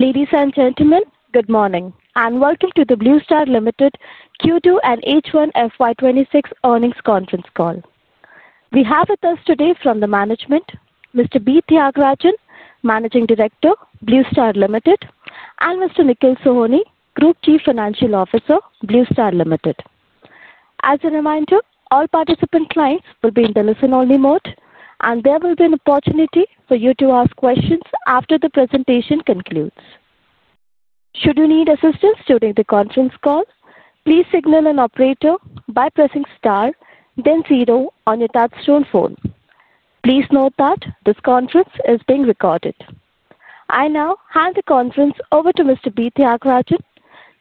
Ladies and gentlemen, good morning and welcome to the Blue Star Limited Q2 and H1FY26 earnings conference call. We have with us today from the management, Mr. B. Thiagarajan, Managing Director, Blue Star Limited, and Mr. Nikhil Sohoni, Group Chief Financial Officer, Blue Star Limited. As a reminder, all participant clients will be in the listen-only mode and there will be an opportunity for you to ask questions after the presentation concludes. Should you need assistance during the conference call, please signal an operator by pressing star then zero on your touch-tone phone. Please note that this conference is being recorded. I now hand the conference over to Mr. B. Thiagarajan.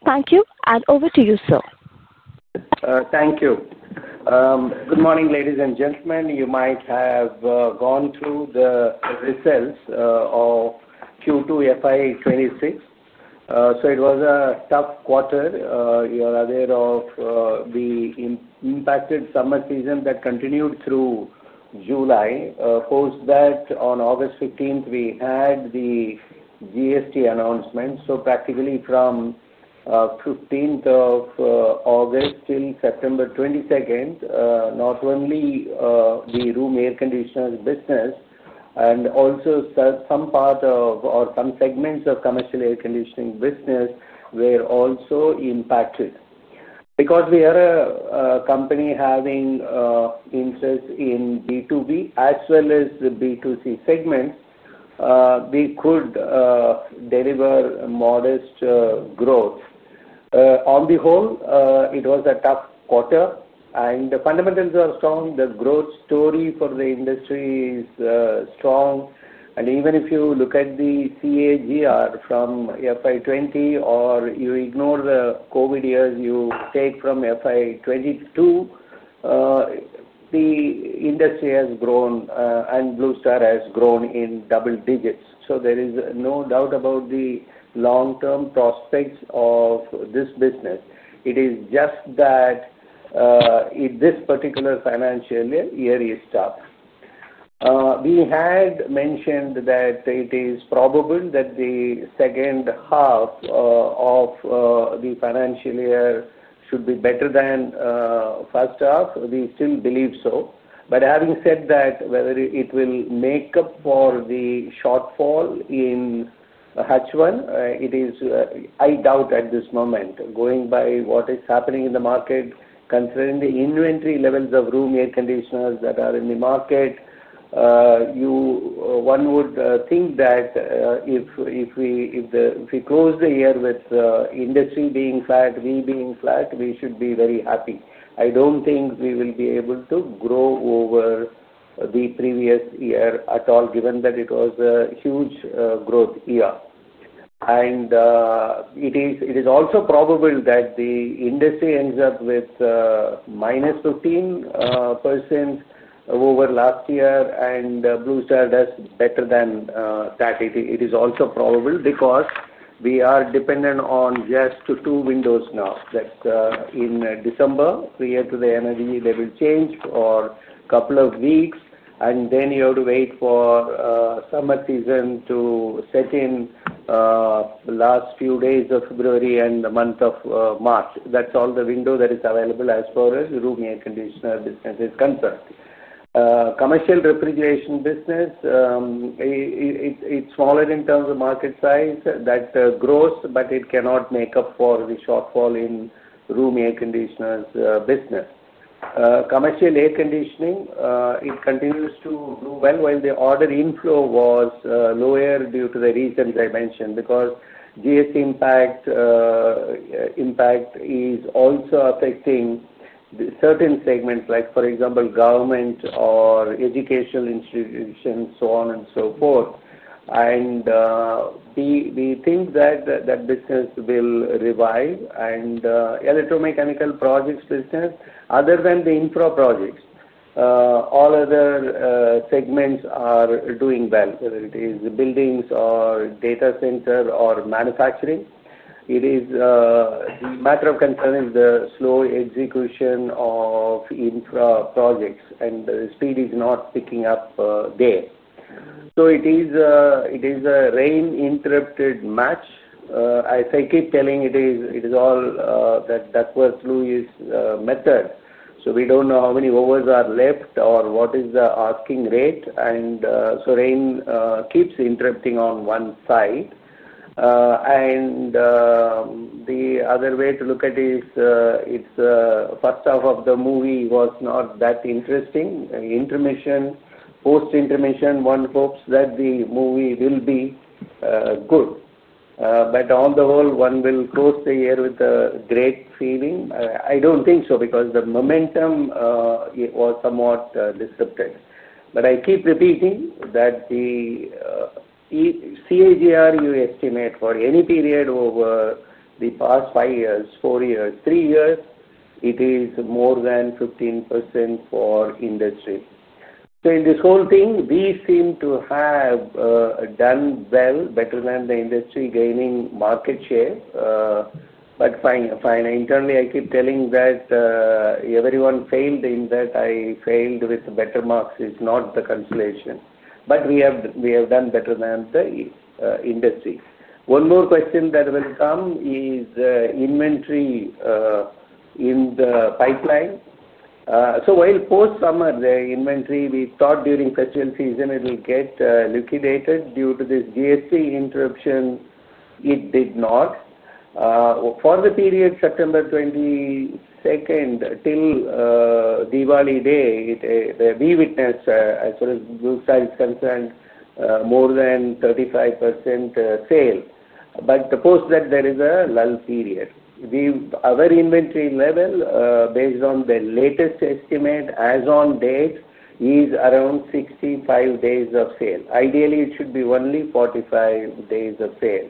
Thank you. Over to you, sir. Thank you. Good morning ladies and gentlemen. You might have gone through the results of Q2FY26 so it was a tough quarter. You are aware of the impacted summer season that continued through July. Post that on August 15 we had the GST announcement. Practically from 15th of August till September 22, not only the room air conditioners business and also some part of or some segments of commercial air conditioning business were also impacted. Because we are a company having interest in B2B as well as the B2C segment, we could deliver modest growth. On the whole it was a tough. Quarter and the fundamentals are strong. The growth for the industry is strong and even if you look at the CAGR from FY 2020 or you ignore the COVID years you take from FY 2022, the industry has grown and Blue Star has grown in double digits. There is no doubt about the long term prospects of this business. It is just that in this particular financial year is tough. We had mentioned that it is probable that the second half of the financial year should be better than the first half. We still believe so. However, whether it will make up for the shortfall in H1, I doubt at this moment going by what is happening in the market, considering the inventory levels of room air conditioners that are in the market. One would. Think that if we close the year with industry being flat, we being flat, we should be very happy. I don't think we will be able to grow over the previous year at all given that it was a huge growth year and it is also probable that the industry ends up with -15% over last year and Blue Star does better than that. It is also probable because we are dependent on just two windows now that in December prior to the energy level change for a couple of weeks and then you have to wait for summer season to set in the last few days of February and the month of March, that's all the window that is available as far as room air conditioner business is concerned. Commercial refrigeration business. It's smaller in terms. Of market size that grows but it cannot make up for the shortfall in room air conditioners business, commercial air conditioning it continues to do well while the order inflow was lower due to the reasons I mentioned because GST impact is also affecting certain segments like for example government or educational institutions, so on and so forth. We think that that business will revive and electromechanical projects business other than the infra projects, all other segments are doing well whether it is buildings or data center or manufacturing. It is matter of concern is the slow execution of infra projects and the speed is not picking up there. It is a rain interrupted match as I keep telling it is all that that was Louis method. We don't know how many hours are left or what is the asking rate, and Sureain keeps interrupting on one. Foot. The other way to look at it is first half of the movie was not that interesting. Intermission. Post intermission one hopes that the movie will be good, but on the whole one will close the year with a great feeling. I do not think so because the momentum was somewhat disrupted. I keep repeating that the CAGR estimate for any period over the past five years, four years, three years, it is more than 15% for industry. In this whole thing we seem to have done well, better than the industry, gaining market share. Internally I keep telling that everyone failed in that I failed with better marks. It is not the consolation, but we have done better than the industry. One more question that will come is inventory in the pipeline. While post summer the inventory we thought during festival season it will get liquidated due to this GST interruption it did not. For the period September 22 till Diwali day we witnessed as far as Blue Star is concerned more than 35% sale. Post that there is a lull period. Our inventory level based on the latest estimate as on date is around 65 days of sale. Ideally it should be only 45 days of sale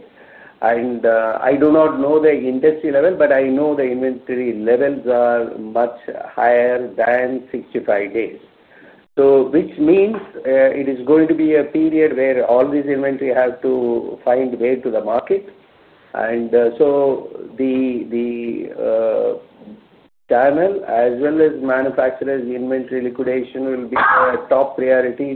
and I do not know the industry level but I know the inventory levels are much higher than 65 days. Which means it is going to be a period where all these inventory have to find way to the market and the channel as well as manufacturers inventory liquidation will be top priority.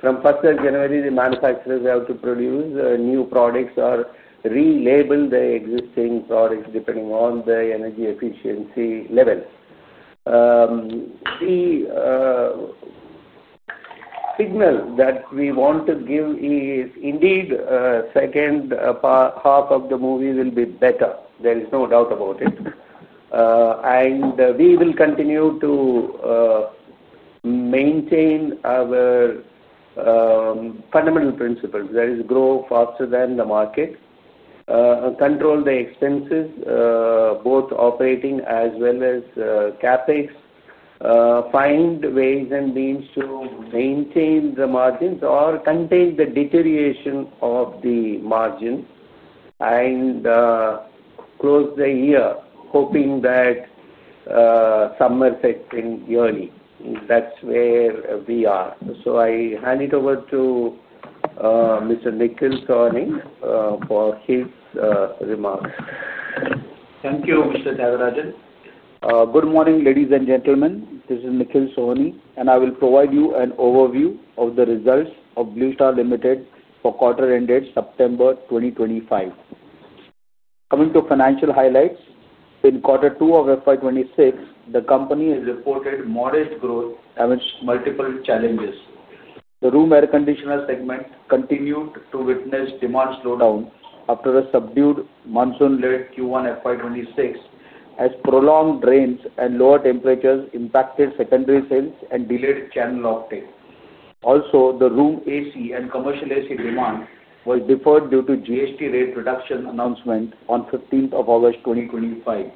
From 1st of January the manufacturers have to produce new products or relabel the existing products depending on the energy efficiency level. The. Signal that we want to give is indeed second half of the movie will be better, there is no doubt about it and we will continue. To. Maintain our fundamental principles, that is, grow faster than the market, control the expenses, both operating as well as CapEx, find ways and means to maintain the margins or contain the deterioration of the margin, and close the year hoping that Somerset yearly, that's where we are. I hand it over to Mr. Nikhil Sohani for his remarks. Thank you Mr. Thiagarajan. Good morning ladies and gentlemen. This is Nikhil Sohani and I will provide you an overview of the results of Blue Star Limited for quarter ended September 2025. Coming to financial highlights in quarter two of FY26 the company has reported modest growth amidst multiple challenges. The room air conditioner segment continued to witness demand slowdown after a subdued monsoon late Q1 FY26 as prolonged rains and lower temperatures impacted secondary sales and delayed channel offtake. Also, the room AC and commercial AC demand was deferred due to GST rate reduction announcement on 15th of August 2025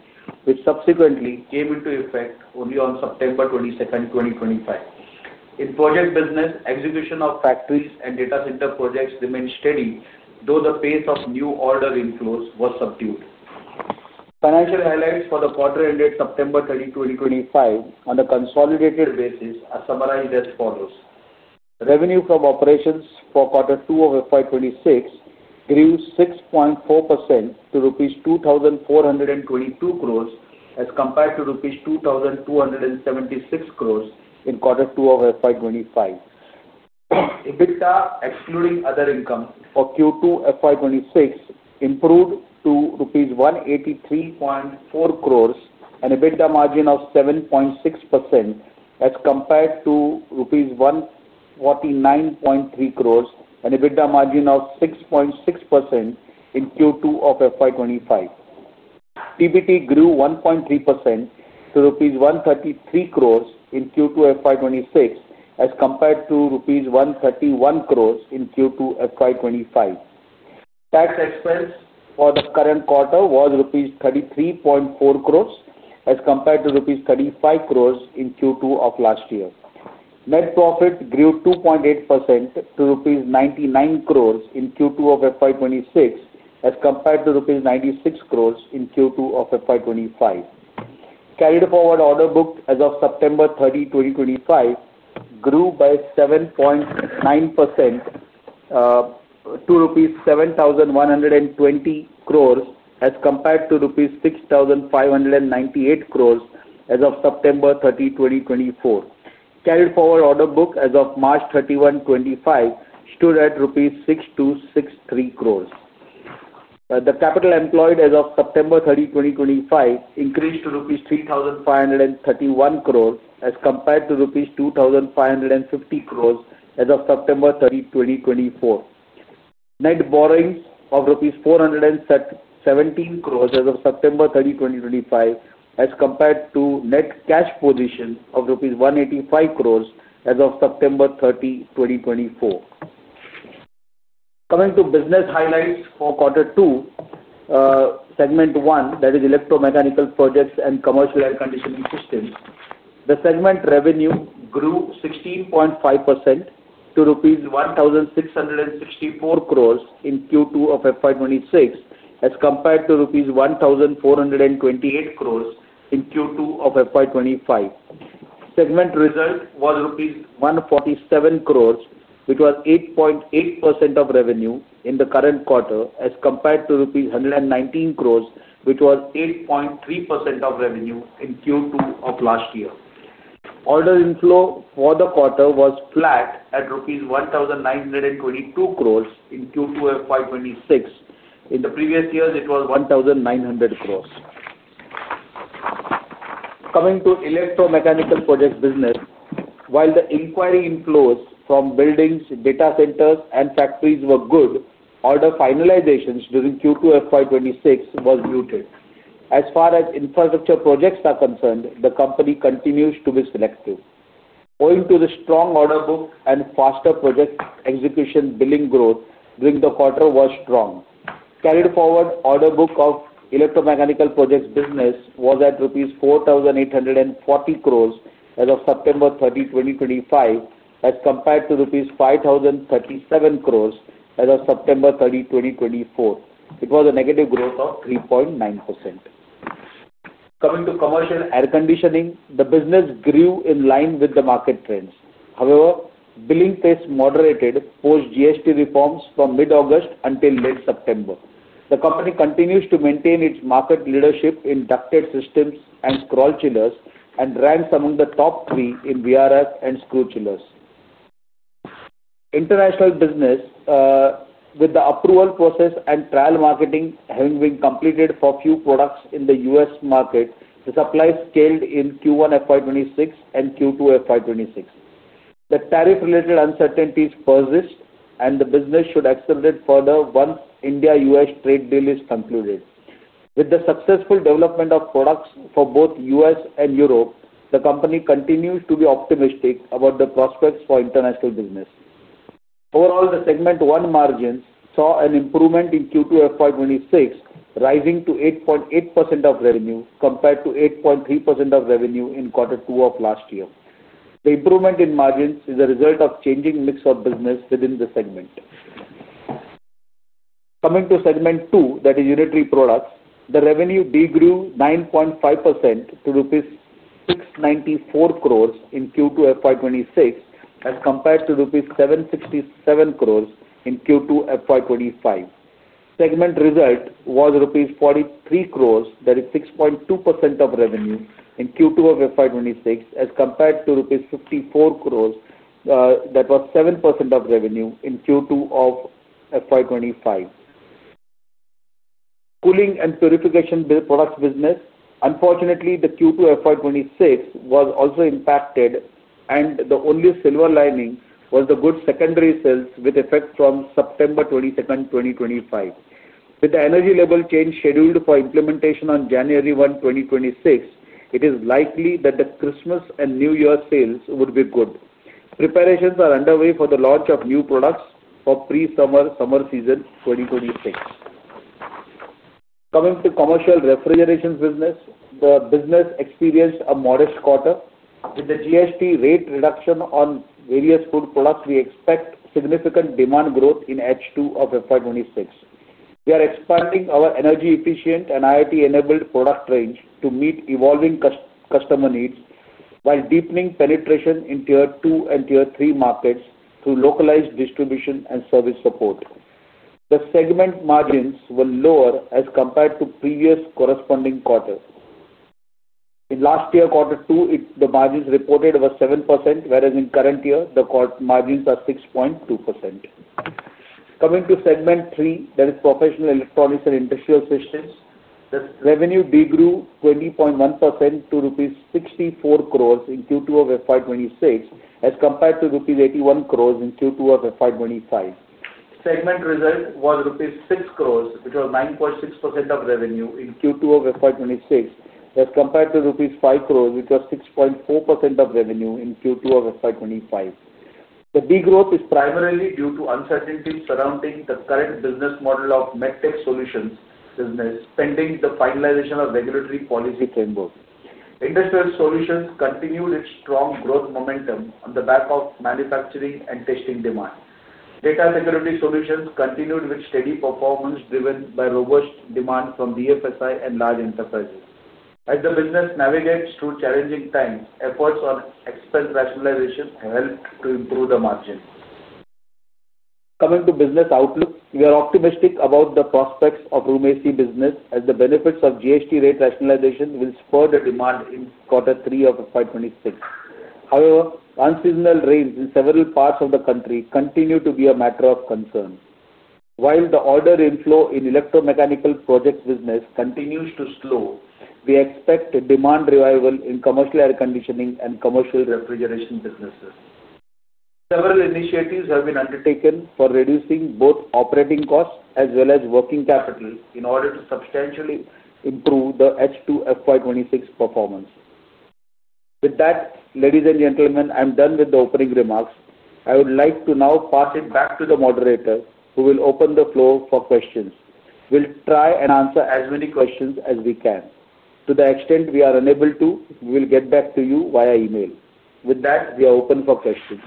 which subsequently came into effect only on September 22, 2025. In project business, execution of factories and data center projects remained steady though the pace of new order inflows was subdued. Financial highlights for the quarter ended September 30, 2025 on a consolidated basis are summarized as follows. Revenue from operations for quarter two of FY26 grew 6.4% to rupees 2,422 crore as compared to rupees 2,276 crore in quarter two of FY25. EBITDA excluding other income for Q2 FY26 improved to rupees 183.4 crore and EBITDA margin of 7.6% as compared to rupees 149.3 crore and an EBITDA margin of 6.6% in Q2 of FY25. PBT grew 1.3% to rupees 133 crore in Q2 FY26 as compared to rupees 131 crore in Q2 FY25. Tax expense for the current quarter was rupees 33.4 crore as compared to rupees 35 crore in Q2 of last year. Net profit grew 2.8% to rupees 99 crore in Q2 of FY26 as compared to rupees 96 crore in Q2 of FY25. Carried forward order book as of September 30, 2025 grew by 7.9% to rupees 7,120 crore as compared to rupees 6,598 crore as of September 30, 2024. Carried forward order book as of March 31, 2025 stood at rupees 6,263 crore. The capital employed as of September 30, 2025 increased to rupees 3,531 crore as compared to rupees 2,550 crore as of September 30, 2024. Net borrowings of rupees 417 crore as of September 30, 2025 as compared to net cash position of rupees 185 crore as of September 30, 2022. Coming to business highlights for quarter two, segment one i.e. electromechanical projects and commercial air conditioning systems. The segment revenue grew 16.5% to rupees 1,664 crore in Q2 of FY26 as compared to rupees 1,428 crore in Q2 of FY25. Segment result was rupees 147 crore which was 8.8% of revenue in the current quarter as compared to rupees 119 crore which was 8.3% of revenue in Q2 of last year. Order inflow for the quarter was flat at rupees 1,922 crore in Q2 FY26. In the previous years it was 1,900 crore. Coming to electromechanical project business, while the inquiry inflows from buildings, data centers, and factories were good, order finalizations during Q2 FY 2026 was muted as far as infrastructure projects are concerned. The company continues to be selective owing to the strong order book and faster project execution. Billing growth during the quarter was strong. Carried forward order book of electromechanical projects business was at rupees 4,840 crore as of September 30, 2025, as compared to rupees 5,037 crore as of September 30, 2024. It was a negative growth of 3.9%. Coming to commercial air conditioning, the business grew in line with the market trends. However, billing tests moderated post GST reforms from mid August until mid September. The company continues to maintain its market leadership in ducted systems and scroll chillers and ranks among the top three in VRF and screw chillers. International business, with the approval process and trial marketing having been completed for a few products in the US market, the supply scaled in Q1 FY2026 and Q2 FY2026. The tariff-related uncertainties persist and the business should accelerate further once the India-US trade deal is concluded. With the successful development of products for both the US and Europe, the company continues to be optimistic about the prospects for international business. Overall, the segment one margins saw an improvement in Q2 FY2026, rising to 8.8% of revenue compared to 8.3% of revenue in quarter two of last year. The improvement in margins is a result of changing mix of business within the segment. Coming to segment two, i.e., unitary products, the revenue degrew 9.5% to rupees 694 crore in Q2FY26 as compared to rupees 767 crore in Q2FY25. Segment result was rupees 43 crore, that is 6.2% of revenue in Q2 of FY26 as compared to rupees 54 crore, that was 7% of revenue in Q2 of FY25. Cooling and Purification Products business, unfortunately, the Q2FY26 was also impacted and the only silver lining was the good secondary sales with effect from September 22, 2025. With the energy efficiency level change scheduled for implementation on January 1, 2026, it is likely that the Christmas and New Year sales would be good. Preparations are underway for the launch of new products for pre-summer and summer season 2026. Coming to Commercial Refrigeration business, the business experienced a modest quarter with the GST rate reduction on various food products. We expect significant demand growth in H2 of FY26. We are expanding our energy efficient and IoT enabled product range to meet evolving customer needs while deepening penetration in Tier 2 and Tier 3 markets through localized distribution and service support. The segment margins were lower as compared to the previous corresponding quarter in last year. Quarter two the margins reported were 7% whereas in current year the margins are 6.2%. Coming to segment three, there is professional electronics and industrial systems. The revenue degrew 20.1% to rupees 64 crore in Q2 of FY2026 as compared to rupees 81 crore in Q2 of FY2025. Segment result was rupees 6 crore, which was 9.6% of revenue in Q2 of FY2026, as compared to rupees 5 crore, which was 6.4% of revenue in Q2 of FY2025. The degrowth is primarily due to uncertainty surrounding the current business model of the MedTech Solutions business. Pending the finalization of regulatory policy framework, Industrial Systems continued its strong growth momentum on the back of manufacturing and testing demand. Data Security Solutions continued with steady performance driven by robust demand from DFIs and large enterprises. As the business navigates through challenging times, efforts on expense rationalization helped to improve the margin. Coming to Business Outlook, we are optimistic about the prospects of room AC business as the benefits of GST rate rationalization will spur the demand in quarter three of FY 2026. However, unseasonal rains in several parts of the country continue to be a matter of concern while the order inflow in Electromechanical Projects business continues to slow. We expect demand revival in commercial air conditioning and commercial refrigeration businesses. Several initiatives have been undertaken for reducing both operating costs as well as working capital in order to substantially improve the H2 FY 2026 performance. With that, ladies and gentlemen, I am done with the opening remarks. I would like to now pass it back to the moderator who will open the floor for questions. We'll try and answer as many questions as we can. To the extent we are unable to, we will get back to you via email. With that, we are open for questions.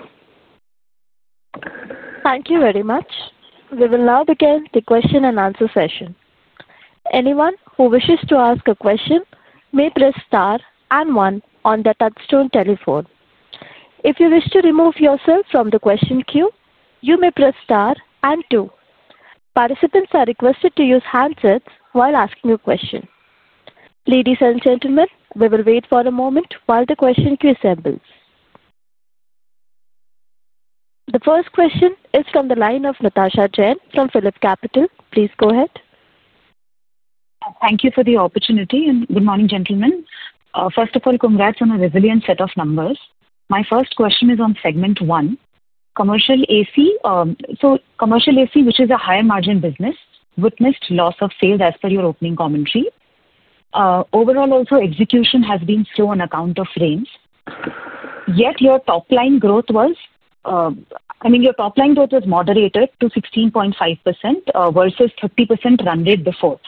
Thank you very much. We will now begin the question and answer session. Anyone who wishes to ask a question may press star and one on the Touch-Tone telephone. If you wish to remove yourself from the question queue, you may press star and two. Participants are requested to use handsets while asking a question. Ladies and gentlemen, we will wait for a moment while the question queue assembles. The first question is from the line of Natasha Jain from Phillip Capital. Please go ahead. Thank you for the opportunity and good morning gentlemen. First of all, congrats on a resilient set of numbers. My first question is on segment one commercial AC. So commercial AC, which is a higher margin business, witnessed loss of sales as per your opening commentary. Overall also execution has been slow on account of rain. Yet your top line growth was. I mean your top line growth was moderated to 16.5% versus 30% run rate before.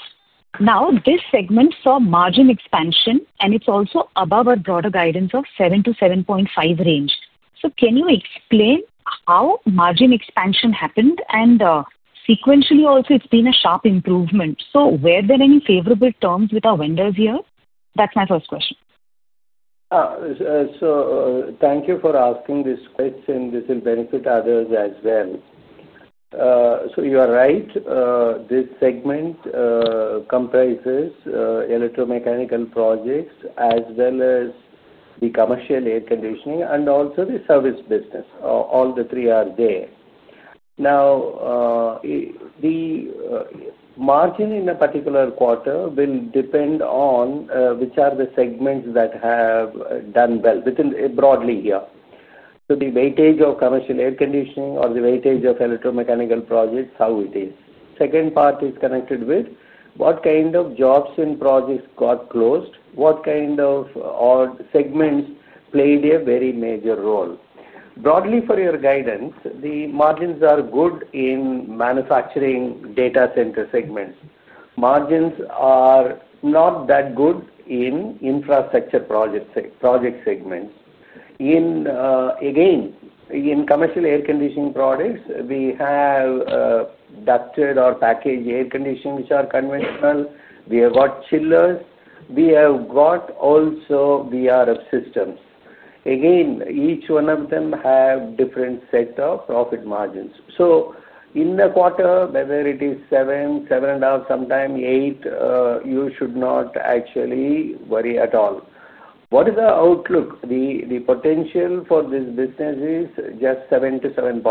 Now this segment saw margin expansion and it's also above our broader guidance of 7-7.5% range. Can you explain how margin expansion happened and sequentially also it's been a sharp improvement. Were there any favorable terms with our vendors here? That's my first question. Thank you for asking this question. This will benefit others as well. You are right. This segment comprises electromechanical projects as well as the commercial air conditioning and also the service business. All three are there. Now, the margin in a particular quarter will depend on which are the segments that have done well broadly here. The weightage of commercial air conditioning or the weightage of electromechanical projects, how it is. The second part is connected with what kind of jobs and projects got closed, what kind of segments played a very major role broadly. For your guidance, the margins are good in manufacturing data center segments. Margins are not that good in infrastructure project segments. Again, in commercial air conditioning products, we have ducted or packaged air conditioning, which are conventional. We have got chillers, we have got also VRF systems. Again, each one of them have different set of profit margins. In the quarter, whether it is 7.5%, sometime 8%, you should not actually worry at all. What is the outlook? The potential for this business is just 7-7.5%.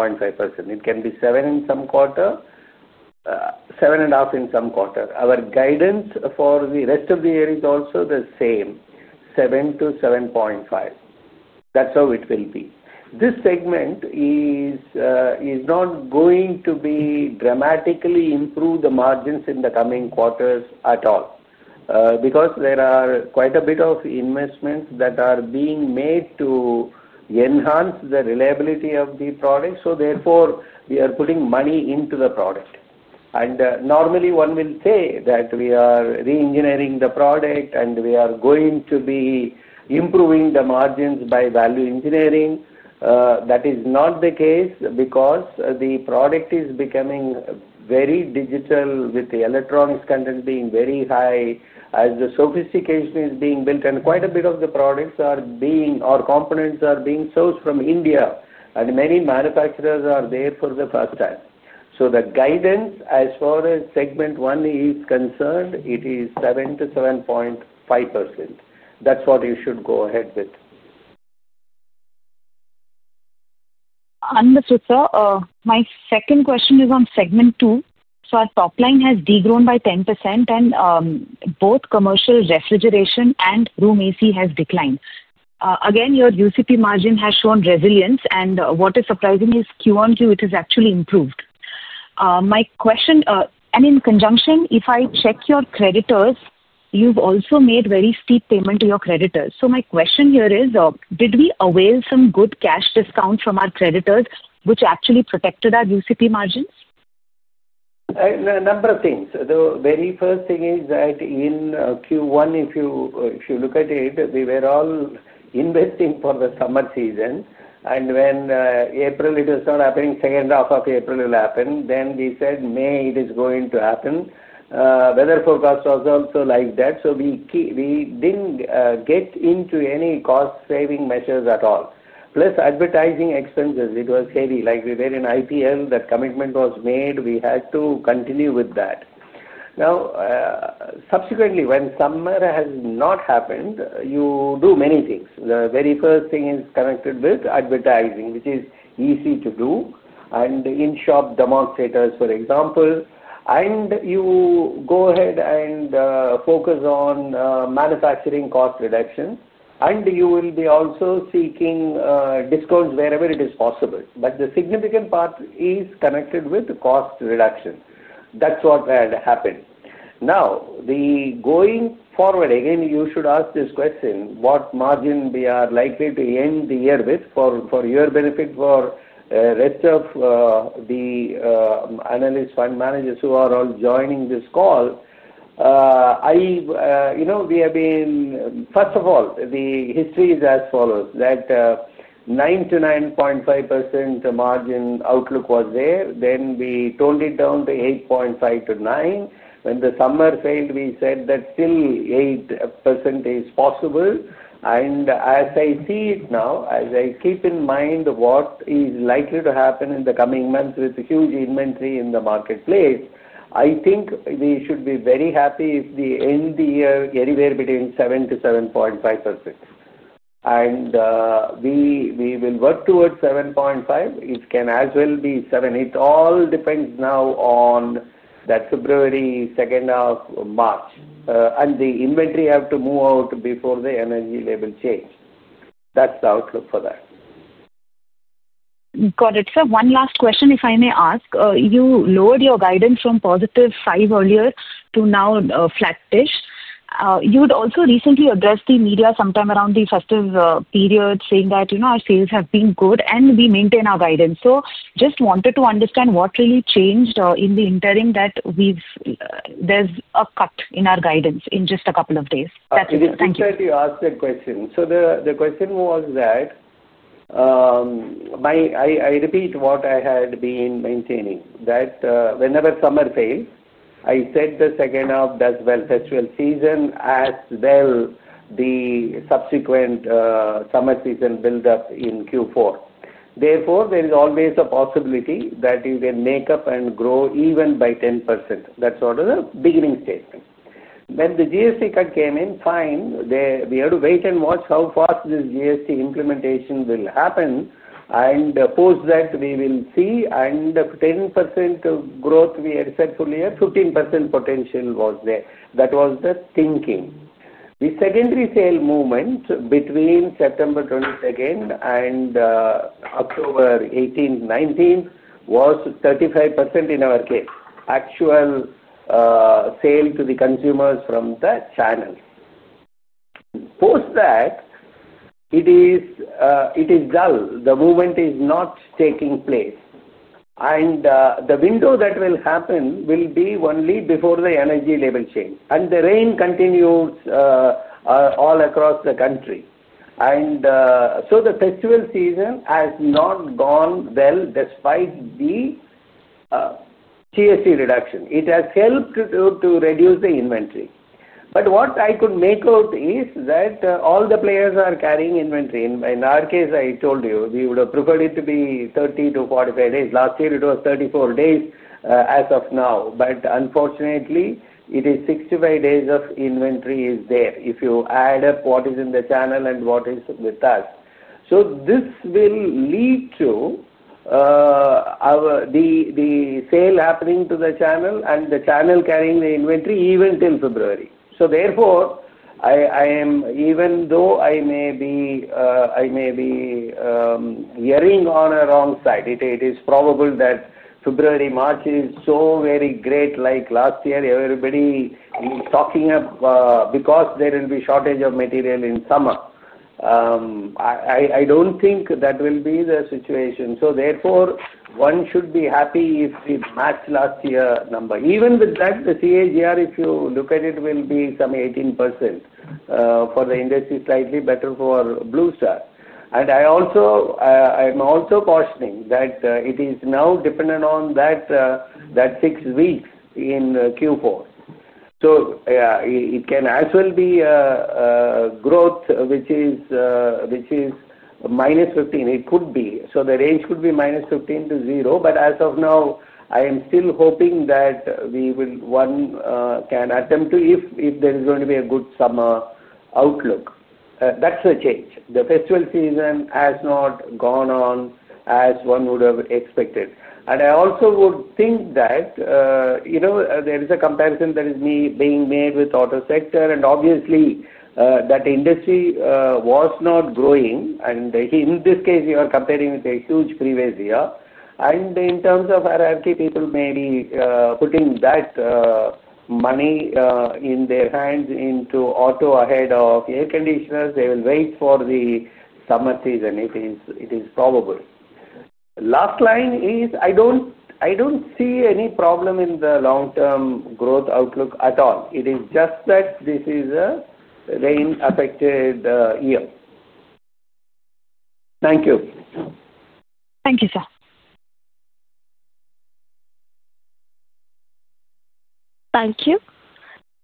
It can be 7% in some quarter, 7.5% in some quarter. Our guidance for the rest of the year is also the same, 7-7.5%. That is how it will be. This segment is not going to dramatically improve the margins in the coming quarters at all because there are quite a bit of investments that are being made to enhance the reliability of the product. Therefore, we are putting money into the product and normally one will say that we are re-engineering the product and we are going to be improving the margins by value engineering. That is not the case because the product is becoming very digital with the electronics content being very high as the sophistication is being built and quite a bit of the products or components are being sourced from India and many manufacturers are there for the first time. The guidance as far as segment one is concerned, it is 77.5%. That's what you should go ahead with. Understood, sir. My second question is on segment two. Our top line has degrown by 10% and both commercial refrigeration and room AC has declined again. Your UCP margin has shown resilience, and what is surprising is Q on Q, it has actually improved. My question, and in conjunction, if I check your creditors, you've also made very steep payment to your creditors. My question here is, did we avail some good cash discount from our creditors which actually protected our UCP margins? A number of things. The very first thing is that in Q1 if you look at it, we were all investing for the summer season and when April it was not happening. Second half of April will happen. Then we said May it is going to happen. Weather forecast was also like that. We did not get into any cost saving measures at all. Plus advertising expenses. It was heavy like we were in IPL. That commitment was made. We had to continue with that. Now subsequently, when summer has not happened, you do many things. The very first thing is connected with advertising, which is easy to do and in shop demonstrators for example. You go ahead and focus on manufacturing cost reduction and you will be also seeking discounts wherever it is possible. The significant part is connected with cost reduction. That is what had happened. Now the going forward. Again you should ask this question what margin we are likely to end the year with for your benefit. For rest of the analysts, fund managers who are all joining this call, we have been. First of all the history is as follows. That 9.5% margin outlook was there. Then we toned it down to 8.5-9%. When the summer failed we said that still 8% is possible. As I see it now, as I keep in mind what is likely to happen in the coming months with the huge inventory in the marketplace, I think we should be very happy if we end the year anywhere between 7-7.5% and we will work towards 7.5%. It can as well be 7%. It all depends now on that. February 2 of March and the inventory have to move out before the energy level change. That's the outlook for that. Got it. Sir, one last question if I may ask. You lowered your guidance from positive 5 earlier to now flat-ish. You would also recently address the media sometime around the festive period saying that, you know, our sales have been good and we maintain our guidance. Just wanted to understand what really changed in the interim that we've, there's a cut in our guidance in just a couple of days. That is. Thank you that you asked the question. The question was that I repeat what I had been maintaining that whenever summer fails I said the second half does well, festival season as well, the subsequent summer season buildup in Q4. Therefore, there is always a possibility that you can make up and grow even by 10%. That sort of beginning statement when the GST cut came in. First, we have to wait and watch how fast this GST implementation will happen and post that we will see and 10% growth. We had said full year 15% potential was there. That was the thinking. The secondary sale movement between September 22 and October 18-19 was 35% in our case, actual sale to the consumers from the channel. After that, it is dull, the movement is not taking place, and the window that will happen will be only before the energy level change. The rain continues all across the country, so the festival season has not gone well. Despite the GST reduction, it has helped to reduce the inventory. What I could make out is that all the players are carrying inventory. In our case, I told you we would have preferred it to be 30-45 days. Last year it was 34 days as of now, but unfortunately it is 65 days of inventory if you add up what is in the channel and what is with us. This will lead to the sale happening to the channel and the channel carrying the inventory even till February. Therefore, I am, even though I may be, I may be erring on the wrong side. It is probable that February-March is so very great like last year, everybody stocking up because there will be shortage of material in summer. I do not think that will be the situation. Therefore, one should be happy if we match last year number. Even with that, the CAGR if you look at it will be some 18% for the industry, slightly better for Blue Star. I am also cautioning that it is now dependent on that six weeks in Q4, so it can actually be growth which is minus 15%. It could be. So the range could be minus 15% to 0. As of now I am still hoping that one can attempt to, if there is going to be a good summer outlook, that's a change. The festival season has not gone on as one would have expected. I also would think that there is a comparison that is being made with the auto sector. Obviously that industry was not growing. In this case you are comparing with a huge previous year. In terms of HRT, people may be putting that money in their hands into auto ahead of air conditioning. They will wait for the summer season. It is probable. Last line is I do not see any problem in the long-term growth outlook at all. It is just that this is a rain-affected year. Thank you. Thank you, sir. Thank you.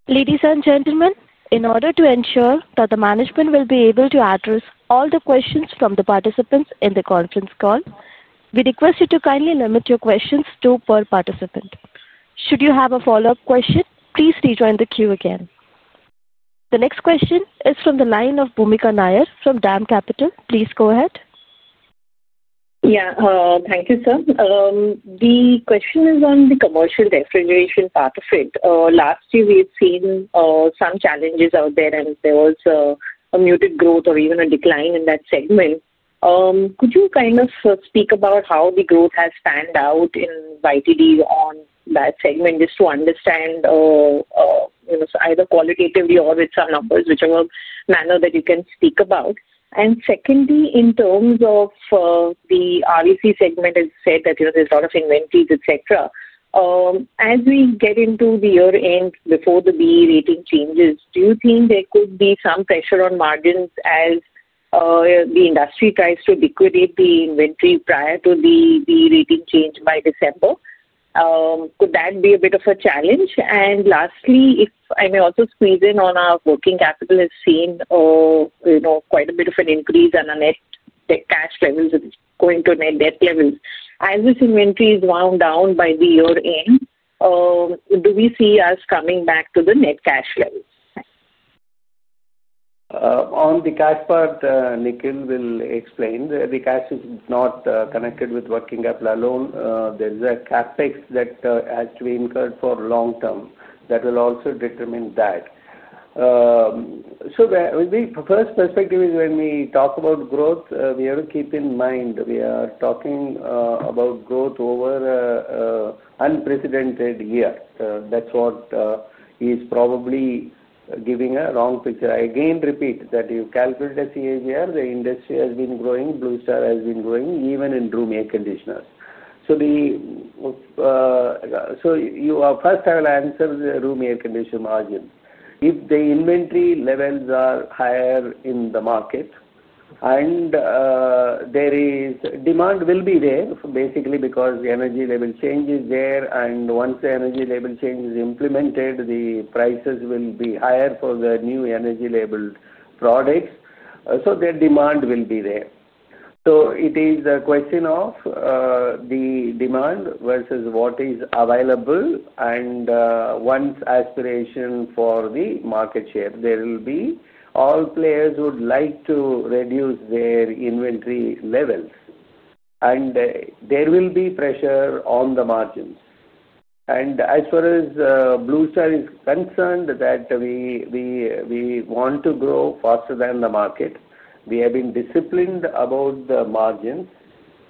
Ladies and gentlemen, in order to ensure that the management will be able to address all the questions from the participants in the conference call, we request you to kindly limit your questions to one per participant. Should you have a follow-up question, please rejoin the queue. Again, the next question is from the line of Bhoomika Nair from DAM Capital. Please go ahead. Yeah, thank you sir. The question is on the commercial refrigeration part of it. Last year we've seen some challenges out there and there was a muted growth or even a decline in that segment. Could you kind of speak about how? The growth has panned out in YTD on that segment is to understand either qualitatively or with some numbers, whichever manner that you can speak about. Secondly, in terms of the RAC segment, as said that there's a lot of inventories etc. As we get into the year end before the BEE rating changes, do you think there could be some pressure on margins as the industry tries to liquidate the inventory prior to the rating change by December? Could that be a bit of a challenge? Lastly, if I may also squeeze in on our working capital has seen quite a bit of an increase on a net debt cash level going to net debt levels as this inventory is wound down by the year end, do we see us coming back to the. Net cash levels. On the cash part, Nikhil will explain the cash is not connected with working capital alone. There is a CapEx that has to be incurred for long term that will also determine that. The first perspective is when we talk about growth we have to keep in mind we are talking about growth over an unprecedented year. That is what is probably giving a wrong picture. I again repeat that you calculate a CAGR. The industry has been growing. Blue Star has been growing even in room air conditioners. First I will answer the room air conditioner margin. If the inventory levels are higher in the market and there is demand, demand will be there basically because the energy efficiency level change is there and once the energy efficiency level change is implemented the prices will be higher for the new energy labeled products. The demand will be there. It is a question of the demand versus what is available and one's aspiration for the market share. There will also be players who would like to reduce their inventory levels and there will be pressure on the margins. As far as Blue Star is concerned, we want to grow faster than the market. We have been disciplined about the margins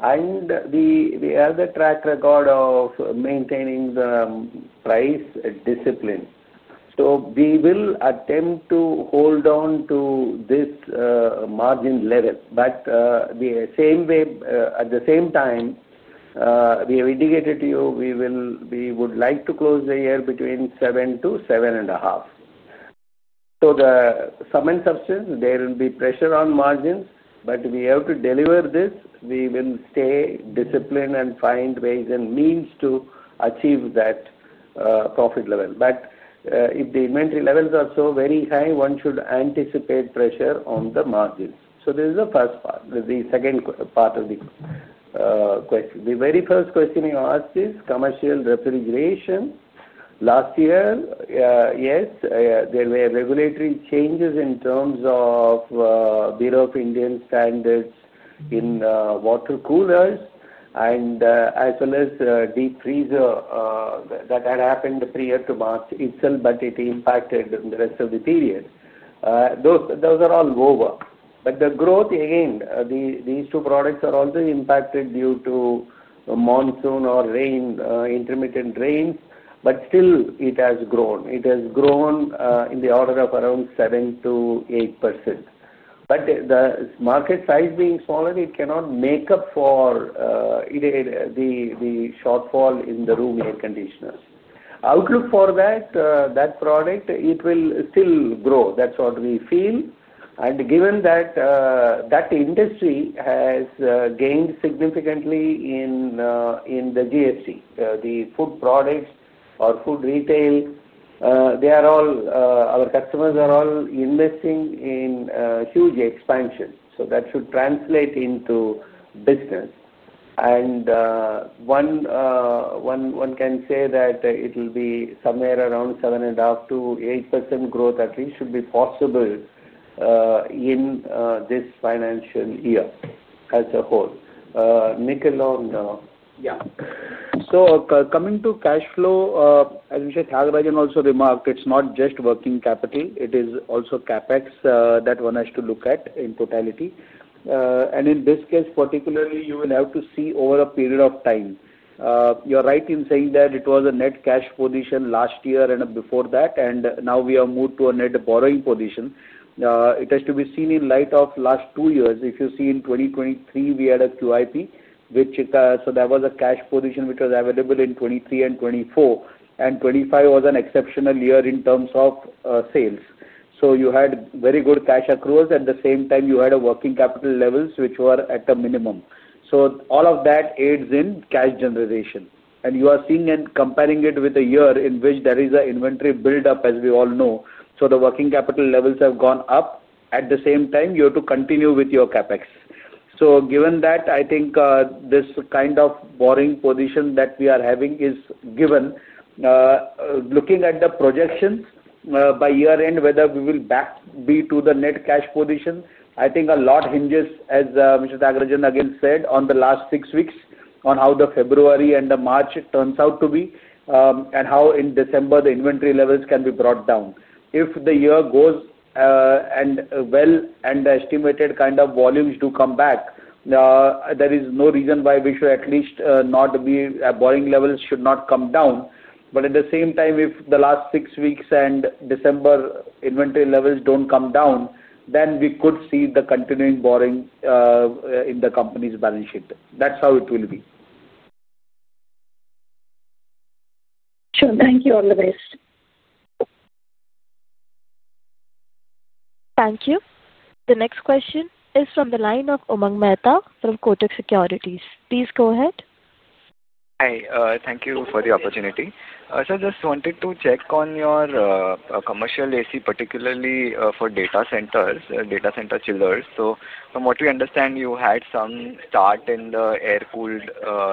and we have the track record of maintaining the price discipline. We will attempt to hold on to this margin level. At the same time, we have indicated to you we would like to close the year between 7-7.5. The sum and substance is there will be pressure on margins but we have to deliver this. We will stay disciplined and find ways and means to achieve that profit level. If the inventory levels are so very high, one should anticipate pressure on the margins. This is the first part. The second part of the question, the very first question you asked is commercial refrigeration. Last year, yes, there were regulatory changes in terms of Bureau of Indian Standards in water coolers and as well as deep freezer. That had happened prior to March itself, but it impacted the rest of the period. Those are all over, but the growth again, these two products are also impacted due to monsoon or rain, intermittent rains, but still it has grown. It has grown in the order of around 6%, 7% to 8%, but the market size being smaller, it cannot make up for the shortfall in the room air conditioners. Outlook for that product, it will still grow. That's what we feel and given that that industry has gained significantly in the GFC, the food products or food retail, they are all our customers, are all investing in huge expansion, so that should translate into business and one can say that it will be somewhere around 7.5-8% growth at least should be possible in this financial year as a whole. Nikhil, Yeah, so coming to cash flow. As we said, also remarked, it's not just working capital, it is also CapEx that one has to look at in totality, and in this case particularly, you will have to see over a period of time. You're right in saying that it was. A net cash position last year and before that and now we have moved to a net borrowing position. It has to be said, seen in light of the last two years. If you see in 2023, we had a QIP, which, so that was a cash position which was available in 2023 and 2024, and 2025 was an exceptional year in terms of sales. You had very good cash accruals. At the same time, you had working capital levels which were at a minimum. All of that aids in cash generation, and you are seeing and comparing it with a year in which there is an inventory build up, as we all know. The working capital levels have gone up. At the same time, you have to continue with your CapEx. Given that, I think this kind of borrowing position that we are having is given looking at the projections by year end, whether we will be back to the net cash position, I think a lot hinges, as Mr. Thiagarajan again said, on the last six weeks, on how the February and the March turns. Out to be and how in December. The inventory levels can be brought down if the year goes well and the estimated kind of volumes do come back, there is no reason why we should at least not be bullish. Levels should not come down. At the same time if the. Last six weeks and December inventory levels don't come down, then we could see the continuing borrowing in the company's balance sheet. That's how it will be. Sure. Thank you. All the best. Thank you. The next question is from the line of Manish Mehta from Kotak Securities. Please go ahead. Hi. Thank you for the opportunity. Just wanted to check on your commercial AC, particularly for data centers, data center chillers. From what we understand, you had some start in the air cooled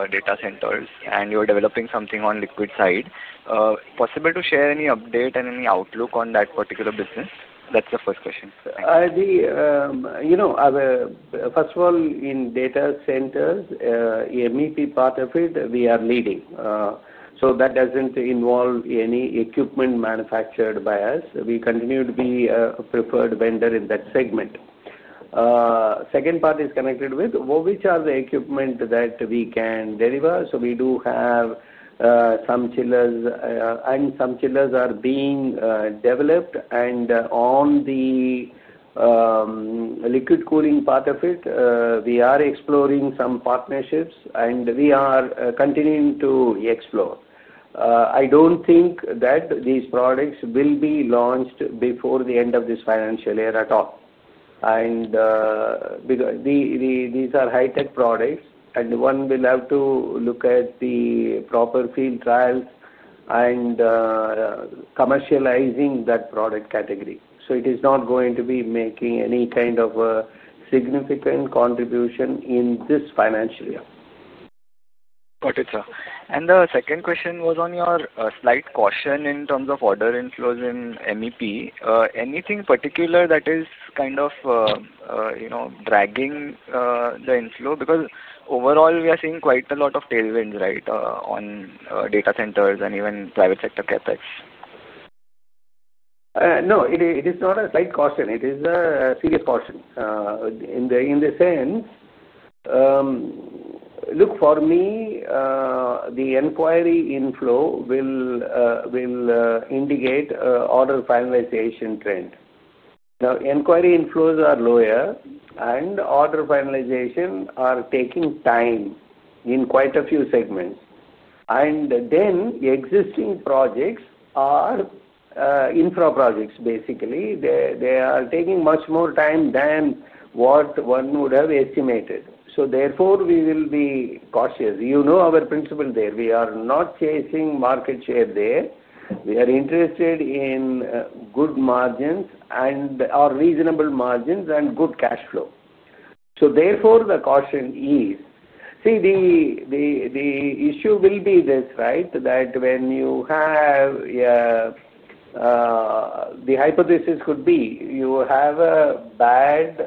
data centers and you're developing something on the liquid side. Possible to share any update and any outlook on that particular business? That's the first question. You know, first of all, in data centers, MEP part of it, we are leading. That does not involve any equipment manufactured by us. We continue to be a preferred vendor in that segment. Second part is connected with which are the equipment that we can deliver. We do have some chillers, and some chillers are being developed. On the liquid cooling part of it, we are exploring some partnerships and we are continuing to explore. I do not think that these products will be launched before the end of this financial year at all, because these are high-tech products and one will have to look at the proper field trials and commercializing that product category. It is not going to be making any kind of significant contribution in this financial year. Got it, sir. The second question was on your slight caution in terms of order inflows in MEP. Anything particular that is kind of, you know, dragging the inflow because overall we are seeing quite a lot of tailwinds right on data centers and even private sector CapEx. No, it is not a slight caution. It is a serious question in the, in the sense. Look, for me, the enquiry inflow will indicate order finalization trend. Now, enquiry inflows are lower and order finalizations are taking time in quite a few segments. Existing projects are infra projects basically, they are taking much more time than what one would have estimated. Therefore, we will be cautious. You know our principle there, we are not chasing market share there. We are interested in good margins and or reasonable margins and good cash flow. Therefore, the caution is, see the issue will be this, right? That when you have. The hypothesis could. If you have a bad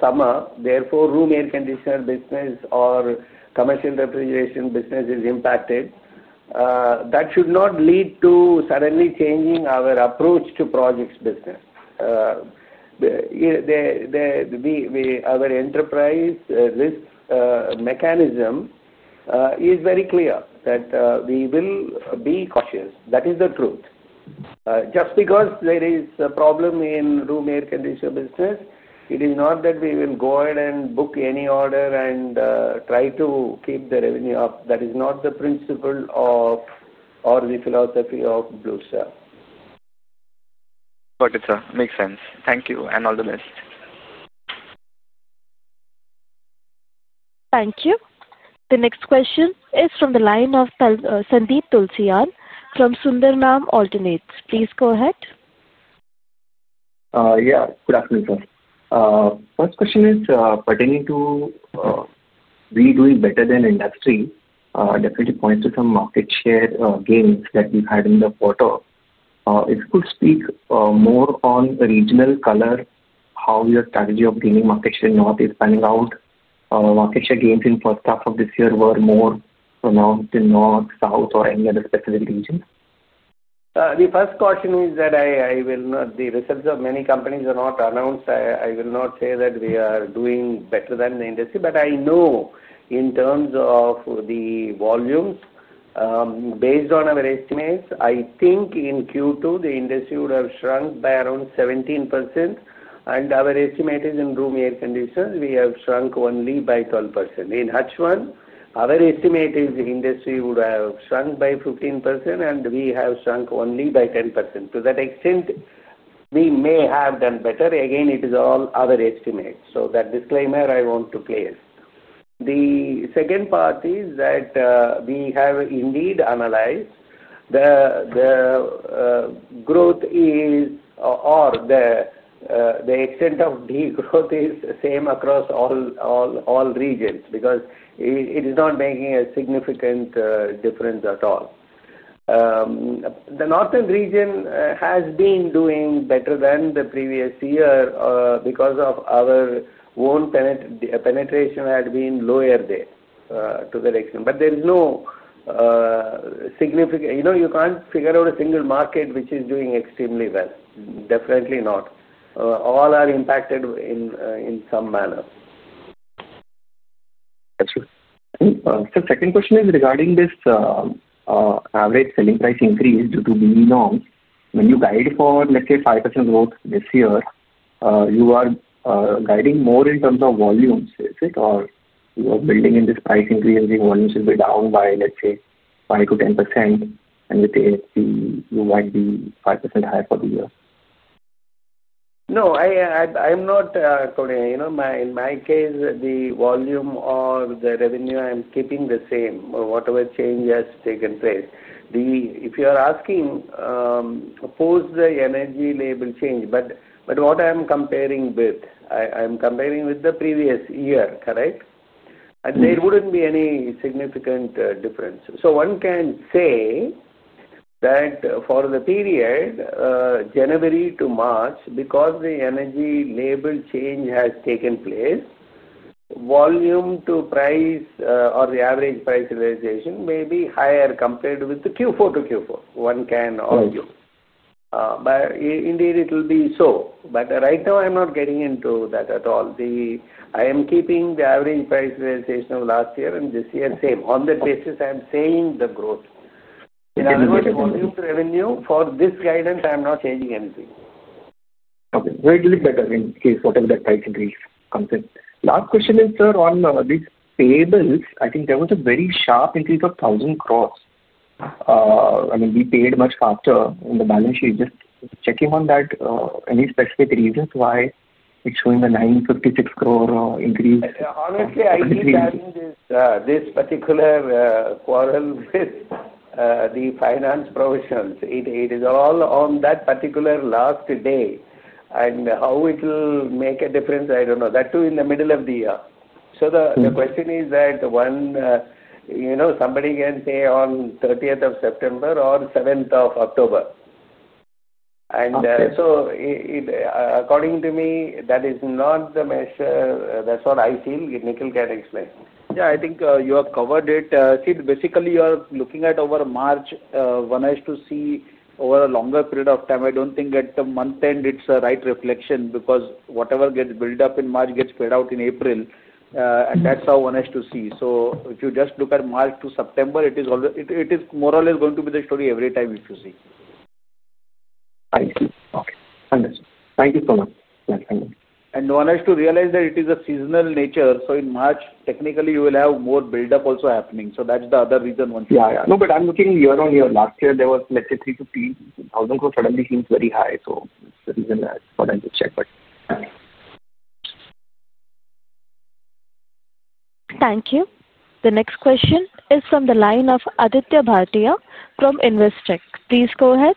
summer, therefore room air conditioner business or commercial refrigeration business is impacted. That should not lead to suddenly changing our approach to projects business. Our enterprise risk mechanism is very clear that we will be cautious. That is the truth. Just because there is a problem in room air conditioner business, it is not that we will go ahead and book any order and try to keep the revenue up. That is not the principle or the philosophy of Blue Star. Makes sense. Thank you and all the best. Thank you. The next question is from the line of Sandeep Tulsiyan from Sundaram Alternates. Please go ahead. Yeah, good afternoon sir. First question is pertaining to we doing better than industry. Definitely points to some market share gains that we've had in the quarter. If you could start, speak more on. Regional color how your strategy of gaining. Market share north is panning out. Market share gains in first half of this year were more pronounced in north, south or any other specific region? The first caution is that the results of many companies are not announced. I will not say that we are doing better than the industry, but I know in terms of the volumes based on our estimates, I think in Q2 the industry would have shrunk by around 17% and our estimate is in room air conditioners we have shrunk only by 12%. In Q1 our estimate is industry would have shrunk by 15% and we have shrunk only by 10%. To that extent we may have done better. Again, it is all other estimates. So that disclaimer I want to make place. The second part is that we have indeed analyzed the growth is or the extent of degrowth is same across all regions because it is not making a significant difference at all. The northern region has been doing better than the previous year because our own penetration had been lower there to the next. You know, you can't figure out a single market which is doing extremely well. Definitely not all are impacted in some manner. The second question is regarding this average. Selling price increase due to when you guide for let's say 5% growth this year, you are guiding more in terms of volumes or you are building in. This price increase the volumes will be. Down by let's say 5-10%. You might be 5% higher for the year. No, I am not, you know, in my case the volume or the revenue, I am keeping the same or whatever change I taken place. If you are asking post the energy label change, but what I am comparing with, I am comparing with the previous year, correct. There would not be any significant difference. One can say that for the period January to March, because the energy label change has taken place, volume to price or the average price realization may be higher compared with the Q4 to Q4, one can argue, it will be so. Right now, I am not getting into that at all. I am keeping the average price realization of last year and this year same. On that basis, I am saying the. Growth. Revenue for this guidance. I am not changing anything. Okay. Greatly better in case whatever the price increase comes in. Last question is. Sir, on these payables I think there. Was a very sharp increase of 1,000 crore. I mean we paid much faster in the balance sheet. Just checking on that. Any specific reasons why it's showing the 956 crore increase? Honestly, I keep telling this. This particular quarrel with the finance provisions. It is all on that particular last day. How it will make a difference, I don't know that too in the. Middle of the year. The question is that one, you know somebody can say on 30th of September or 7th of October. According to me that is not the measure. That's what I feel. Nikhil can explain. Yeah. I think you have covered it. Basically you are looking at over March one has to see over a longer period of time. I do not think at the month end it is a right range reflection. Because whatever gets built up in March gets paid out in April. That is how one has to see. If you just look at March to September it is more or less going to. Be the story every time. If you see. Okay, thank you so much. One has to realize that it is a seasonal nature. In March technically you will have more buildup also happening. That's the other reason, one. Yeah. No, but I'm looking year on year. Last year they were, was, let's say 350,000 crore. Suddenly seems very high. The reason I just checked. Thank you. The next question is from the line of Aditya Bhartia from Investec. Please go ahead.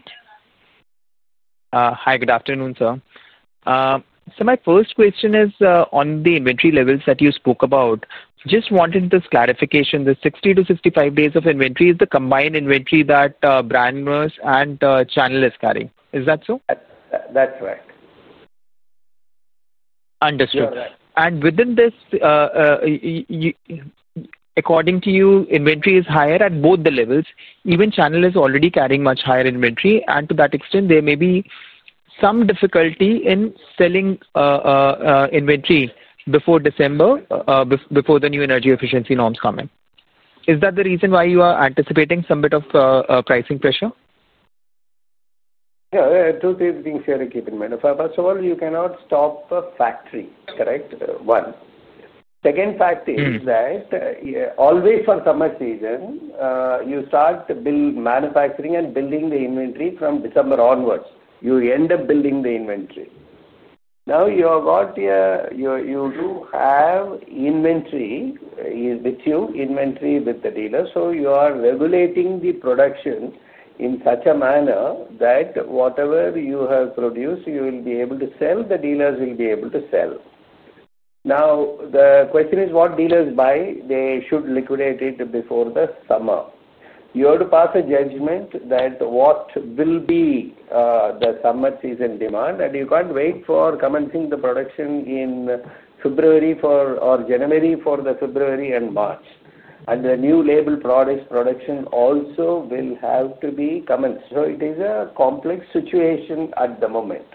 Hi. Good afternoon sir. My first question is on the inventory levels that you spoke about. Just wanted this clarification. The 60-65 days of inventory is the combined inventory that brand, OEMs, and channel is car. Is that so? That's right. Understood. Within this, according to you, inventory is higher at both the levels. Even channel is already carrying much higher inventory. To that extent, there may be some difficulty in selling inventory before December, before the new energy efficiency norms come in. Is that the reason why you are anticipating some bit of pricing pressure? Yeah. Two things here to keep in mind if I. First of all, you cannot stop a factory. Correct. One second fact is that always for summer season you start manufacturing and building the inventory. From December onwards you end up building the inventory. Now you have inventory with you, inventory with the dealer. You are regulating the production in such a manner that whatever you have produced you will be able to sell. The dealers will be able to sell. Now the question is what dealers buy. They should liquidate it before the summer. You have to pass a judgment that what will be the summer season demand and you can't wait for commencing the production in February or January for the February and March and the new label products production also will have to be commenced. It is a complex situation at the moment.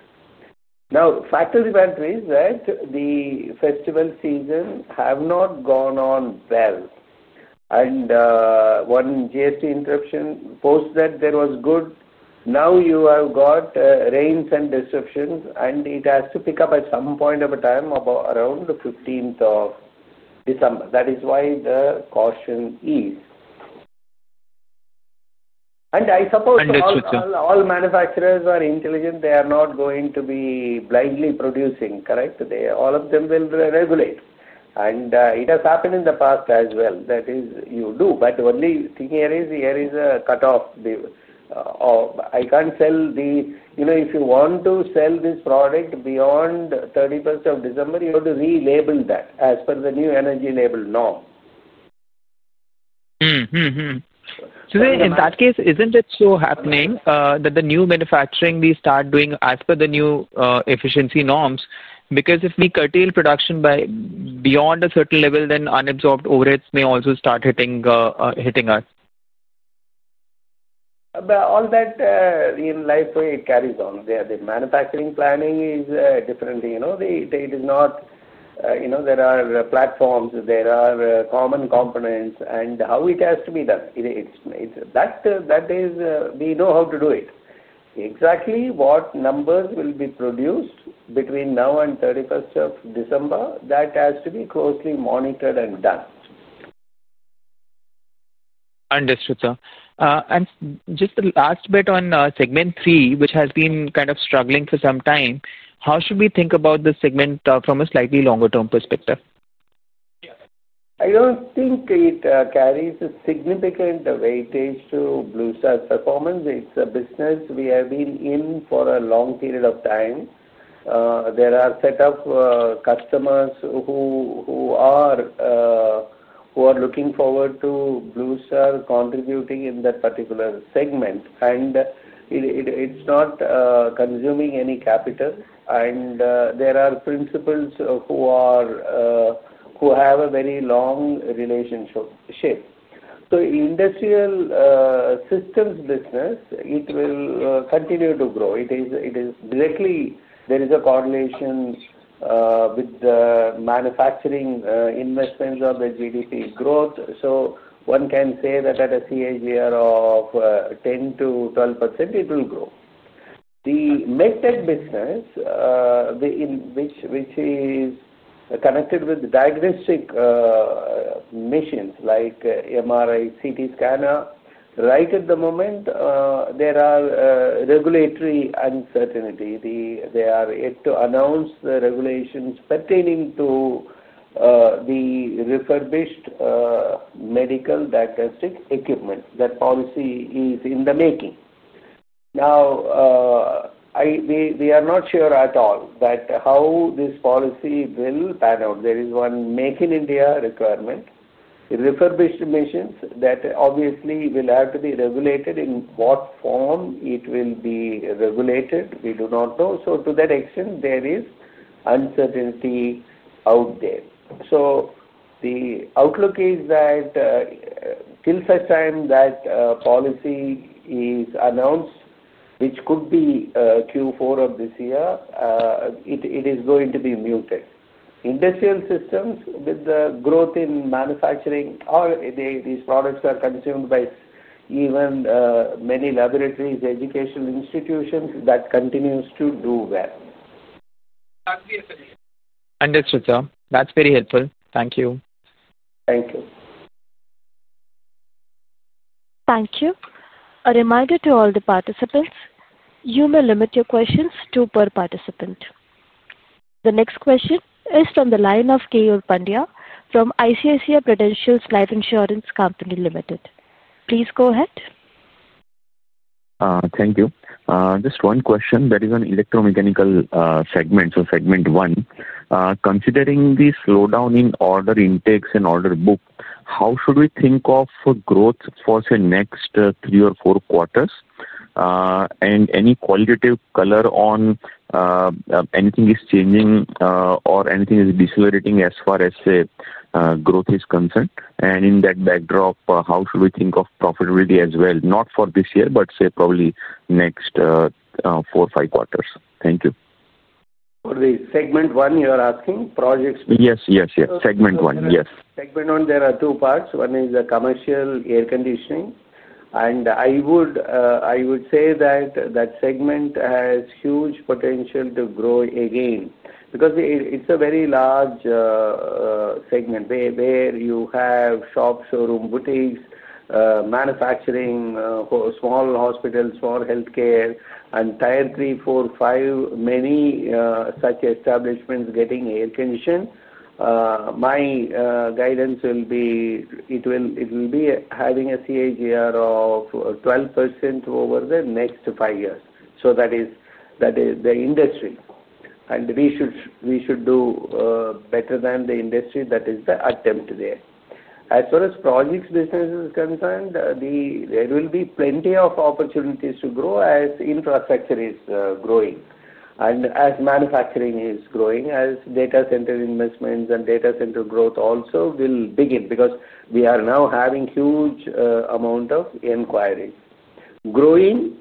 Now fact of the matter is that the festival season have not gone on well and one GST interruption post that there was good. Now you have got rains and disruptions and it has to to pick up. At some point of time about. Around the 15th of December. That is why the caution is. I suppose all manufacturers are intelligent. They are not going to be blindly producing. Correct. All of them will regulate. It has happened in the past as well. That is, you do, but only thing here is, here is a cut off. I cannot sell the, you know, if you want to sell this product beyond 31st of December, you have to relabel that as per the new energy label norm. In that case, isn't it so happening that the new manufacturing we start doing as per the new efficiency norms, because if we curtail production by beyond a certain level, then unabsorbed overheads may also start hitting us. All that in life it carries on. The manufacturing planning is different. You know, it is not. You know, there are platforms, there are common components, and how it has to be done. That is, we know how to do it. Exactly what numbers will be produced between now and 31 December, that has to be closely monitored and done. Understood sir. Just the last bit on segment three which has been kind of struggling for some time. How should we think about the segment from a slightly longer term perspective? I don't think it carries a significant weightage to Blue Star's performance. It's a business we have been in for a long period of time. There are a set of customers who are looking forward to Blue Star contributing in that particular segment and it's not consuming any capital. There are principals who have a very long relationship. The industrial system business will continue to grow. There is a correlation with the manufacturing investments or the GDP growth. One can say that at a CAGR of 10-12% it will grow. The MedTech business which is connected with. Diagnostic. Like MRI, CT scanner. Right at the moment there is regulatory uncertainty. They are yet to announce the regulations pertaining to the refurbished medical diagnostic equipment. That policy is in the making now. We are not sure at all how this policy will pan out. There is one Make in India requirement, refurbished machines that obviously will have to be regulated. In what form it will be regulated, we do not know. To that extent there is uncertainty out there. The outlook is that till such time that policy is announced, which could be Q4 of this year, it is going to be muted. Industrial systems with the growth in manufacturing or these products are consumed by even many laboratories, educational institutions. That continues to do. Well. Understood sir. That's very helpful. Thank you. Thank you. Thank you. A reminder to all the participants. You may limit your questions to per participant. The next question is from the line of Keyur Pandya from ICICI Prudential Life Insurance Company Limited. Please go ahead. Thank you. Just one question. That is an electromechanical segment. Segment one, considering the slowdown in order intakes and order book, how should we think of growth for the next three or four quarters? Any qualitative color on anything is changing or anything is decelerating as far as growth is concerned? In that backdrop, how should we think of profitability as well? Not for this year, but probably next four or five quarters. Thank you. For the segment one, you are asking projects. Yes, yes. Segment one. Yes. There are two parts. One is the commercial air conditioning. I would say that that segment has huge potential to grow again because it is a very large segment where you have shops, room, boutiques, manufacturing, small hospitals, small health care, and tier 3, 4, 5, many such establishments getting air conditioned. My guidance will be it will be having a CAGR of 12% over the next five years. That is the industry and we should do better than the industry. That is the attempt there. As far as projects business is concerned, there will be plenty of opportunities to grow as infrastructure is growing and as manufacturing is growing. As data center investments and data center growth also will begin because we are now having huge amount of enquiries. Growing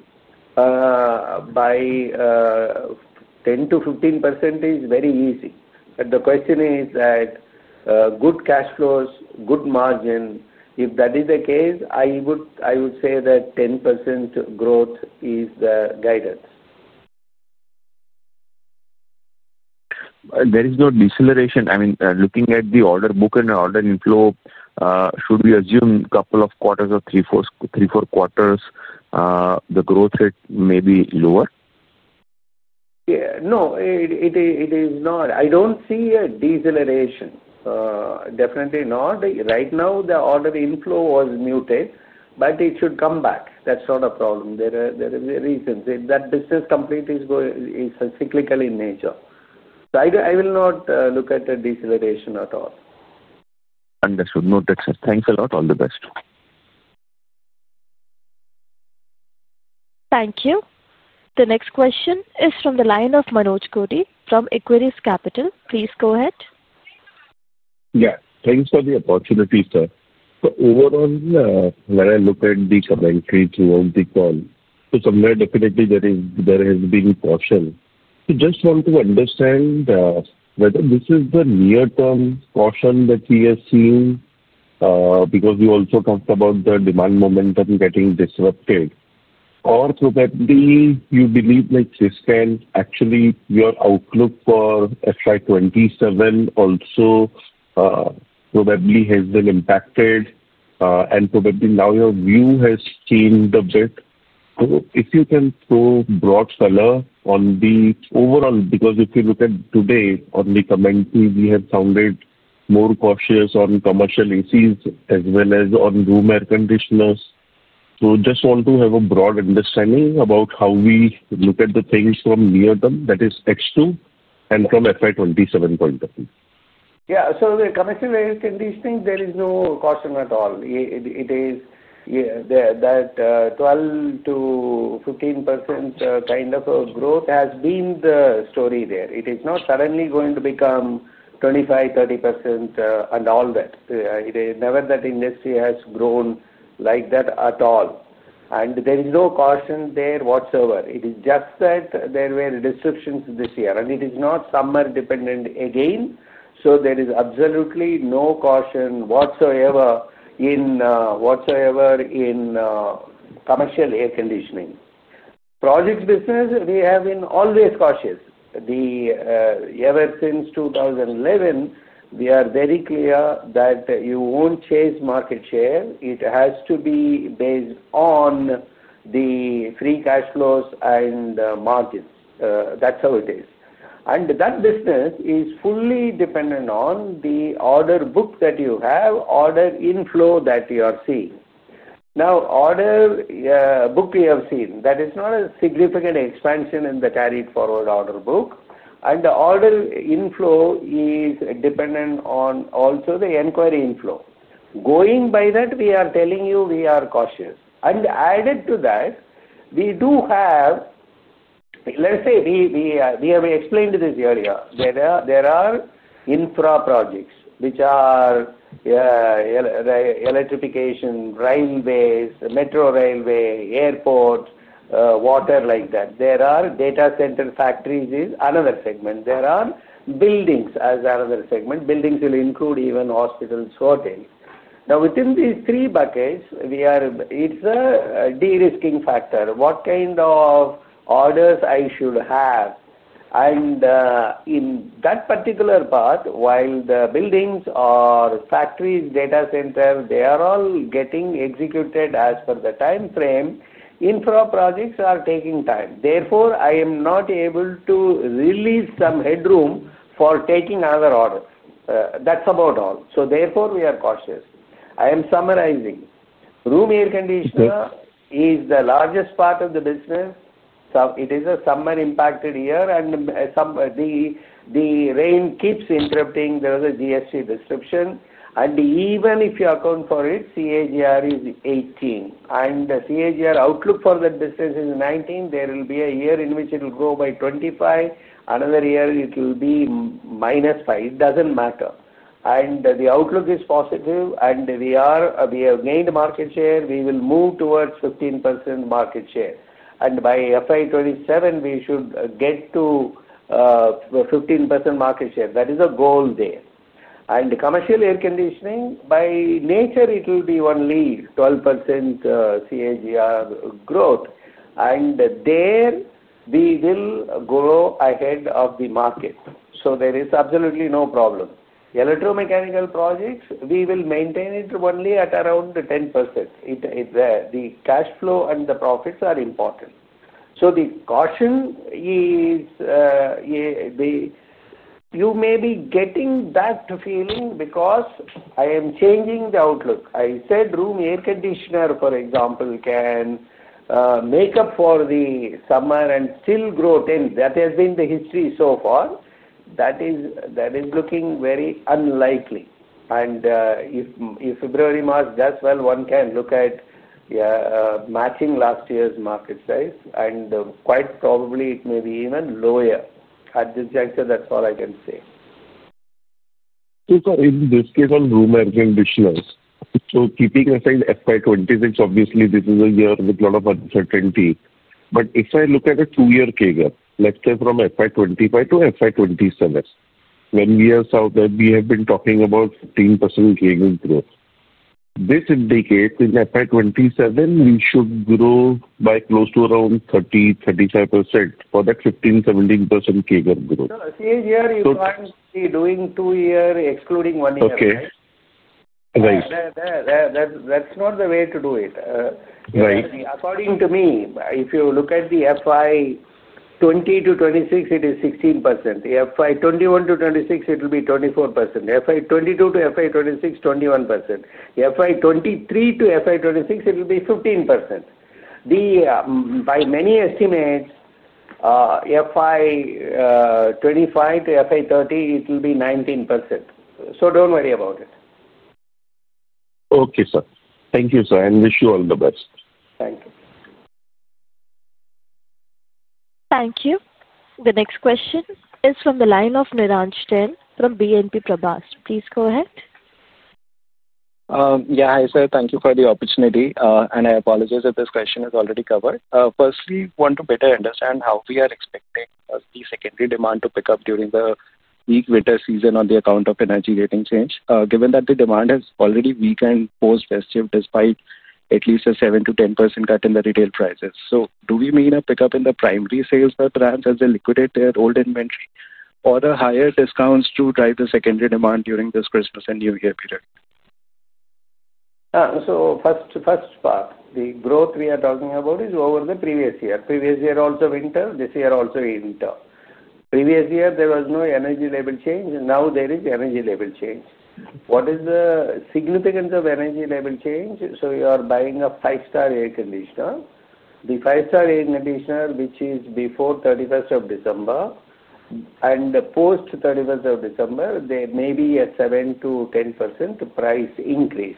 by 10-15% is very easy. The question is that good cash flows, good margin. If that is the case, I would say that 10% growth is guided. There is no deceleration. I mean looking at the order book and order inflow, should we assume couple of quarters or 3-4 quarters, the growth rate may be lower? No, it is not. I don't see a deceleration. Definitely not. Right now the order inflow was muted, but it should come back, that sort of problem. There. There is a reason that business complete is going is cyclical in nature. I will not look at a deceleration at all. Understood. Noted, sir. Thanks a lot. All the best. Thank you. The next question is from the line of Manoj Koti from Equities Capital. Please go ahead. Yes, thanks for the opportunity, sir. When I look at the commentary throughout the call, somewhere definitely there has been caution. Just want to understand whether this. Is the near term caution that we have seen? Because you also talked about the demand momentum getting disrupted or through that being you believe like say actually your outlook for FY27 also probably has been impacted and probably now your view has changed a bit. If you can throw broad color on the overall. Because if you look at today only come and we have found it more cautious on commercial AC as well as on room air conditioners. Just want to have a broad understanding about how we look at the things from near term that is Q2 and from FY27 point of view. Yeah. The commercial air conditioning, there is no caution at all. It is that 12-15% kind of a growth has been the story there. It is not suddenly going to become 25-30% and all that. Never that industry has grown like that at all. There is no caution there whatsoever. It is just that there were restrictions this year and it is not summer dependent again. There is absolutely no caution whatsoever in commercial air conditioning projects business. We have been always cautious ever since 2011. We are very clear that you will not chase market share. It has to be based on the free cash flows and margins. That is how it is. That business is fully dependent on the order book that you have, order inflow that you are seeing now. Order book you have seen that is not a significant expansion in the tariff forward order book. The order inflow is dependent on also the enquiry inflow. Going by that we are telling you we are cautious. Added to that we do have, let's say, we have explained this earlier. There are infra projects which are electrification driving ways, Metro railways, railway, airport, water like that. There are data center factories as another segment. There are buildings as another segment. Buildings will include even hospital sorting. Now within these three buckets. It's a de-risking factor what kind of orders I should have. In that particular part, while the buildings are factoring, factories, data center, they are all getting executed as per the time frame. Infra projects are taking time. Therefore I am not able to release some headroom for taking other orders. That's about all. Therefore we are cautious. I am summarizing. Room air conditioner is the largest part of the business. It is a summer impacted year. The rain keeps interrupting. There is a GST disruption. Even if you account for it, CAGR is 18 and CAGR outlook for that business is 19. There will be a year in which it will grow by 25. Another year it will be minus 5. It doesn't matter. The outlook is positive. We have gained market share. We will move towards 15% market share. By FY2027 we should get to 15% market share. That is a goal there. Commercial air conditioning by nature will be only 12% CAGR growth. There we will grow ahead of the market. There is absolutely no problem. Electromechanical projects, we will maintain it only at around 10%. The cash flow and the profits are important. The caution is, you may be getting that feeling because I am changing the outlook. I said room air conditioner, for example, can make up for the summer and still grow 10%. That has been the history so far. That is looking very unlikely. If February and March do well, one can look at matching last year's market size. Quite probably, it may be even lower at this juncture. That's all I can say. In this case on room air conditioners. Keeping aside FY 2026, obviously this is a year with a lot of uncertainty. If I look at a two-year CAGR from FY 2025 to FY 2027, when we are south, we have been talking about 15% gigantic growth. This indicates in FY 2027 we should grow by close to around 30-35% for that 15-17% CAGR. Doing two year excluding one year. Okay, that's not the way to do it. According to me if you look at the FY2020 to 2026 it is 16%. FY2021 to 2026 it will be 24%. FY2022 to FY2026, 21%. FY2023 to FY2026 it will be 15%. Then by many estimates, FY2025 to FY2030 it will be 19%. So don't worry about it. Okay, sir. Thank you, sir, and wish you all the best. Thank you. Thank you. The next question is from the line of Niraj Randeria from BNP Paribas. Please go ahead. Yeah. Hi sir. Thank you for the opportunity and I apologize if this question is already covered. Firstly, want to better understand how we are expecting the secondary demand to pick up during the weak winter season on the account of energy rating change. Given that the demand has already weakened post festive despite at least a 7-10% cut in the retail prices. Do we mean a pickup in the primary sales by brands as they liquidate their old inventory or the higher discounts to drive the secondary demand during this Christmas and New Year period? The first part, the growth we are talking about is over the previous year. Previous year also winter. This year also winter. Previous year there was no energy level change and now there is energy level change. What is the significance of energy level change? You are buying a five star air conditioner. The five star air conditioner which is before 31st of December and post 31st of December there may be a 7-10% price increase.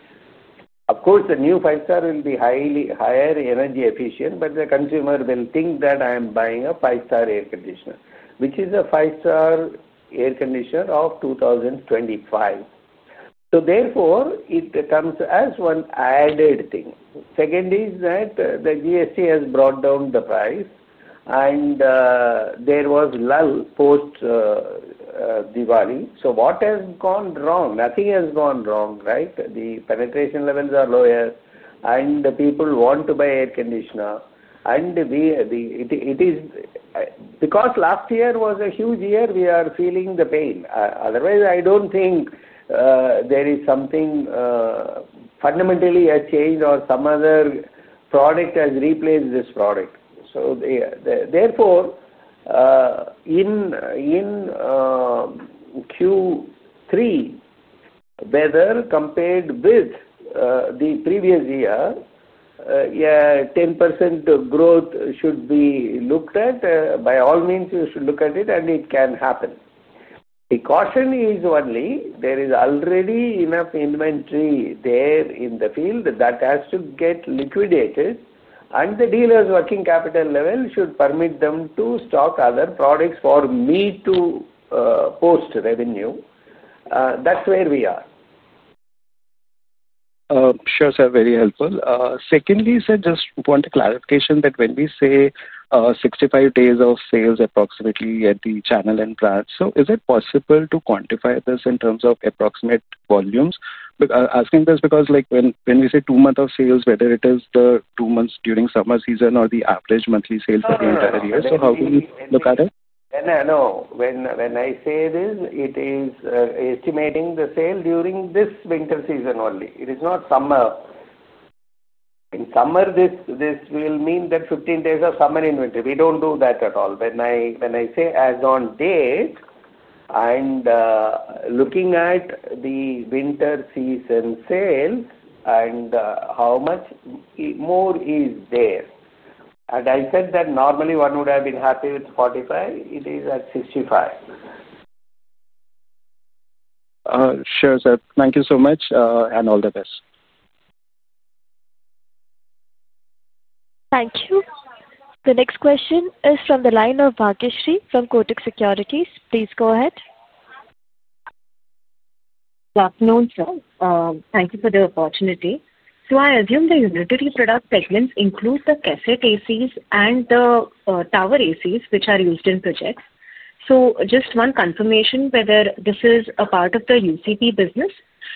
Of course, the new five star will be highly higher energy efficient. The consumer will think that I am buying a five star air conditioner which is a five star air conditioner of 2025. Therefore, it comes as one added thing. Second is that the GST has brought down the price and there was lull post Diwali. What has gone wrong? Nothing has gone wrong, right? The penetration levels are lower and the people want to buy air condition. It is because last year was a huge year. We are feeling the pain. Otherwise I do not think there is something fundamentally a change or some other product has replaced this product. Therefore in Q3 weather compared with the previous year, 10% growth should be looked at. By all means you should look at it and it can happen. The caution is only there is already enough inventory there in the field that has to get liquidated. The dealers' working capital level should permit them to stock other products for me to post revenue. That is when we are. Sure sir. Very helpful. Secondly, just want a clarification that when we say 65 days of sales approximately at the channel and brand, is it possible to quantify this in terms of approximate volumes? Asking this because, like, when we say two months of sales, whether it is the two months during summer season or the average monthly sales. When I say this, it is estimating the sale during this winter season only. It is not summer. In summer, this will mean that 15 days of summer inventory, we do not do that at all. When I say as on date and looking at the winter season sales and how much more is there, and I said that normally one would have been happy with 45, it is at 65. Thank you so much and all the best. Thank you. The next question is from the line of Bhageshree from Kotak Securities. Please go ahead. Good afternoon, sir. Thank you for the opportunity. I assume the unitary product segments. Include the cassette ACs and the tower. ACs which are used in projects. Just one confirmation, whether this is? A part of the UCP business.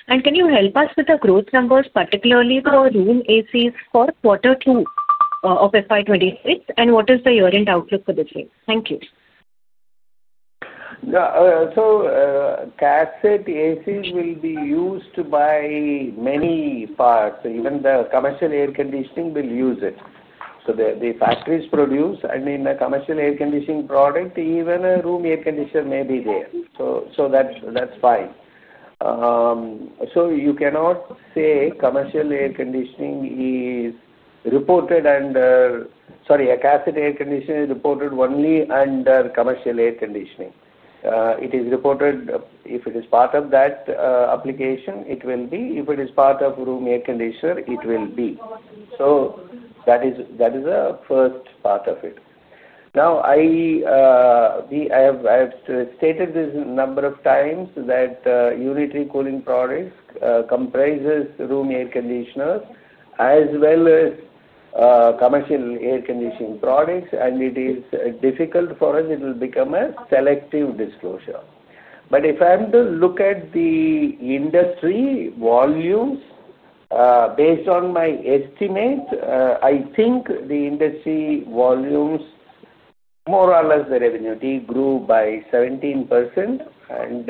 Can you help us with the. Growth numbers particularly for room ACs for. Quarter two of FY 2026 and what is. The year-end outlook for this year? Thank you. Cassette AC will be used by many parts. Even the commercial air conditioning will use it. The factories produce, and in a commercial air conditioning product, even a room air conditioner may be there. That is fine. You cannot say cassette air conditioner is reported only under commercial air conditioning. It is reported if it is part of that application, it will be. If it is part of room air conditioner, it will be. That is the first part of it. Now, I have stated this number of times that unitary cooling products comprises room air conditioners as well as commercial air conditioning products. It is difficult for us. It will become a selective disclosure. If I am to look at the industry volumes, based on my estimate, I think the industry volumes more or less the revenue grew by 17% and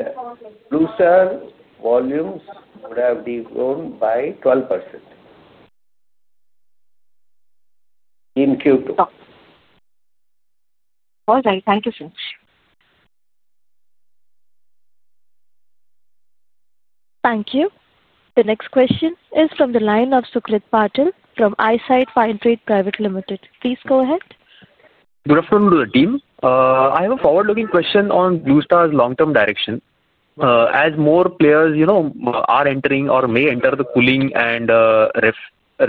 Blue Star volumes would have grown by 12% in Q2. All right, thank you. Thank you. The next question is from the line of Sukrit Patil from Eyesight Fine Trade Private Limited. Please go ahead. Good afternoon to the team. I have a forward-looking question on Blue Star's long-term direction. As more players, you know, are entering or may enter the cooling and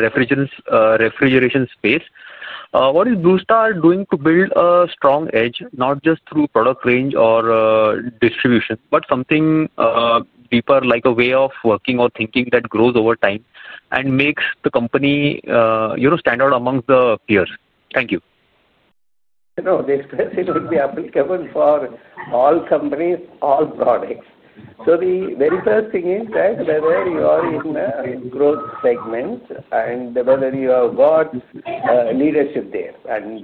refrigeration space, what is Blue Star doing to build a strong edge not just through product range or distribution, but something deeper like a way of working or thinking that grows over time and makes the company, you know, stand out amongst the peers. Thank you. Applicable for all companies, all products. The very first thing is that whether you are in a growth segment and whether you have got leadership there and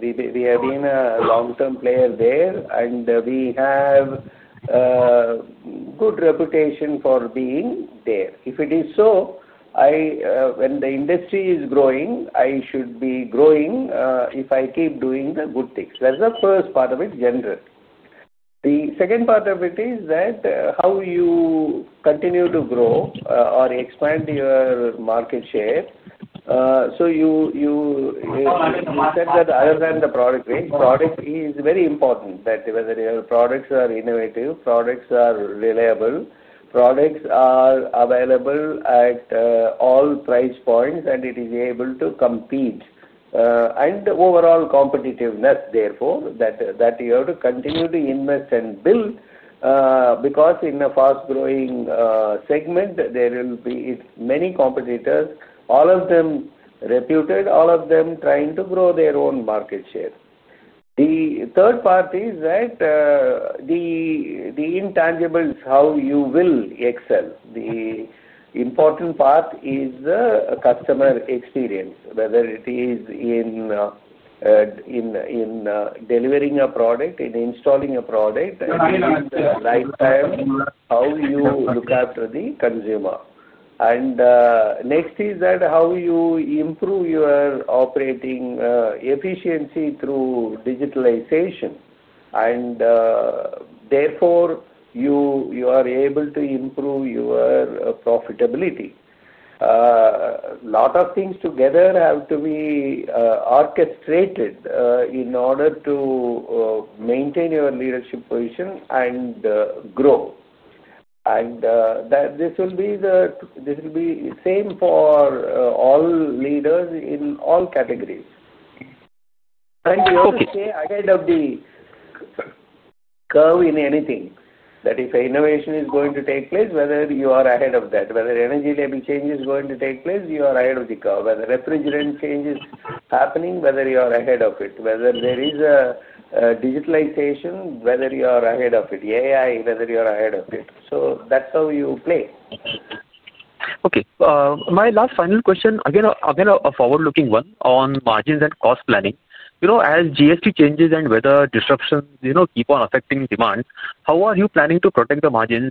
we have been a long-term player there and we have good reputation for being there. If it is so, when the industry is growing, I should be growing if I keep doing the good things. That's the first part of it, general. The second part of it is that how you continue to grow or expand your market share. You said that other than the product range, product is very important, that whether your products are innovative, products are reliable, products are available at all price points, and it is able to compete and overall competitiveness. Therefore, you have to continue to invest and build, because in a growing segment there will be many competitors. All of them reputed, all of them trying to grow their own market share. The third part is that the intangibles, how you will excel. The important part is the customer experience, whether it is in delivering product, in installing a product, how you look after the consumer. Next is that how you improve your operating efficiency through digitalization. Therefore, you are able to improve your profitability. Lot of things together has to be orchestrated in order to maintain your leadership position and grow. This will be the same for all leaders in all categories ahead of the curve. In anything, if innovation is going to take place, whether you are ahead of that, whether energy level change is going to take place, you are ahead of the curve, whether refrigerant change is happening. Whether you are ahead of it, whether there is a digitalization, whether you are ahead of it. AI, whether you are ahead of it. That's how you play. Okay, my last final question, again a forward-looking one, on margins and cost planning. You know, as GST changes and weather. Disruptions, you know, keep on affecting demand. How are you planning to protect the margins?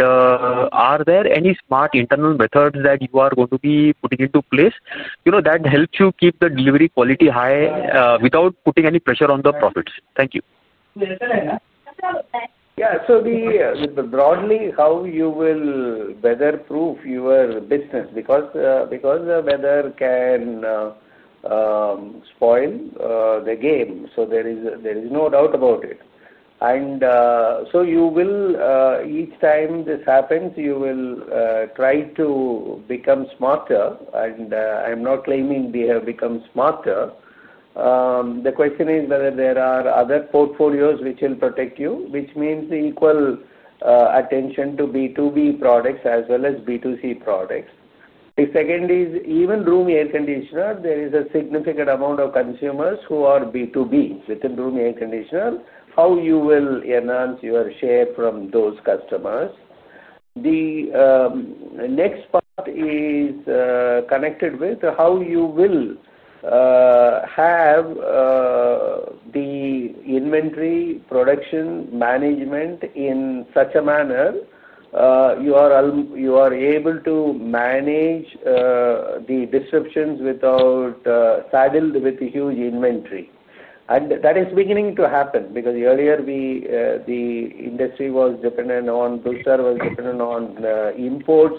Are there any smart internal methods that you are going to be putting into place that help you keep the delivery quality high without putting any pressure on the profits? Thank you. Yeah. Broadly, how you will weather proof your business, because the weather can spoil the game. There is no doubt about it. Each time this happens, you will try to become smarter. I'm not claiming we have become smarter. The question is whether there are other portfolios which will protect you, which means the equal attention to B2B products as well as B2C products. The second is, even room air conditioner, there is a significant amount of consumers who are B2B within room air conditioner. How you will enhance your share from those customers. The next part is connected with how you will have the inventory production management in such a manner you are able to manage the disruptions without being saddled with huge inventory. That is beginning to happen. Because earlier the industry was dependent on, Blue Star was dependent on imports.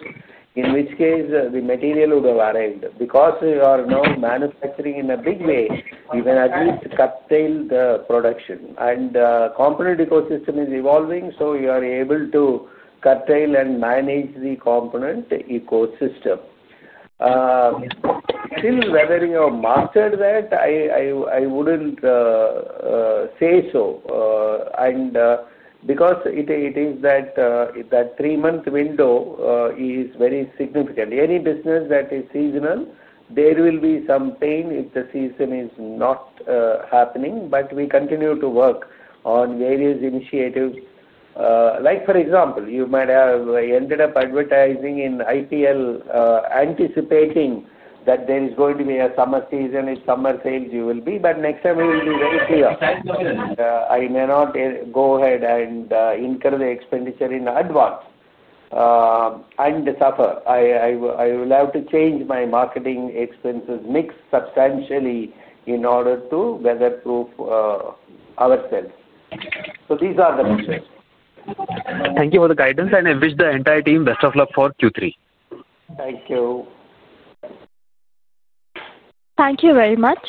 In which case the material would have arrived. Because you are now manufacturing in a. Big way, you can at least curtail. The production and component ecosystem is evolving. You are able to curtail and manage the component ecosystem. Still, whether you have mastered that, I wouldn't say so because that three-month window is very significant. Any business that is seasonal, there will be some pain if the season is not happening, but we continue to work on various initiatives. For example, you might have ended up advertising in IPL anticipating that there is going to be a summer season. If summer fails, you will be, but next time it will be very clear I may not go ahead and incur the expenditure in advance and suffer. I will have to changemy marketing expenses mix substantially in order to weatherproof ourselves. These are the pictures. Thank you for the guidance and I. Wish the entire team best of luck for Q3. Thank you. Thank you very much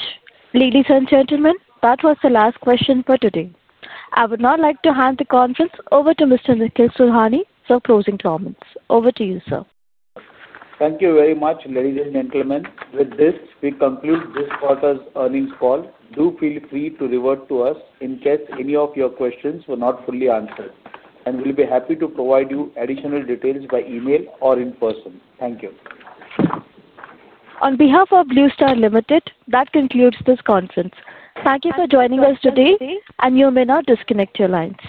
ladies and gentlemen. That was the last question for today. I would now like to hand the conference over to Mr. Nikhil Sohoni for closing comments. Over to you sir. Thank you very much, ladies and gentlemen. With this, we conclude this quarter's earnings call. Do feel free to revert to us in case any of your questions were not fully answered, and we'll be happy to provide you additional details by email or in person. Thank you. On behalf of Blue Star Limited. That concludes this conference. Thank you for joining us today and you may now disconnect your lines.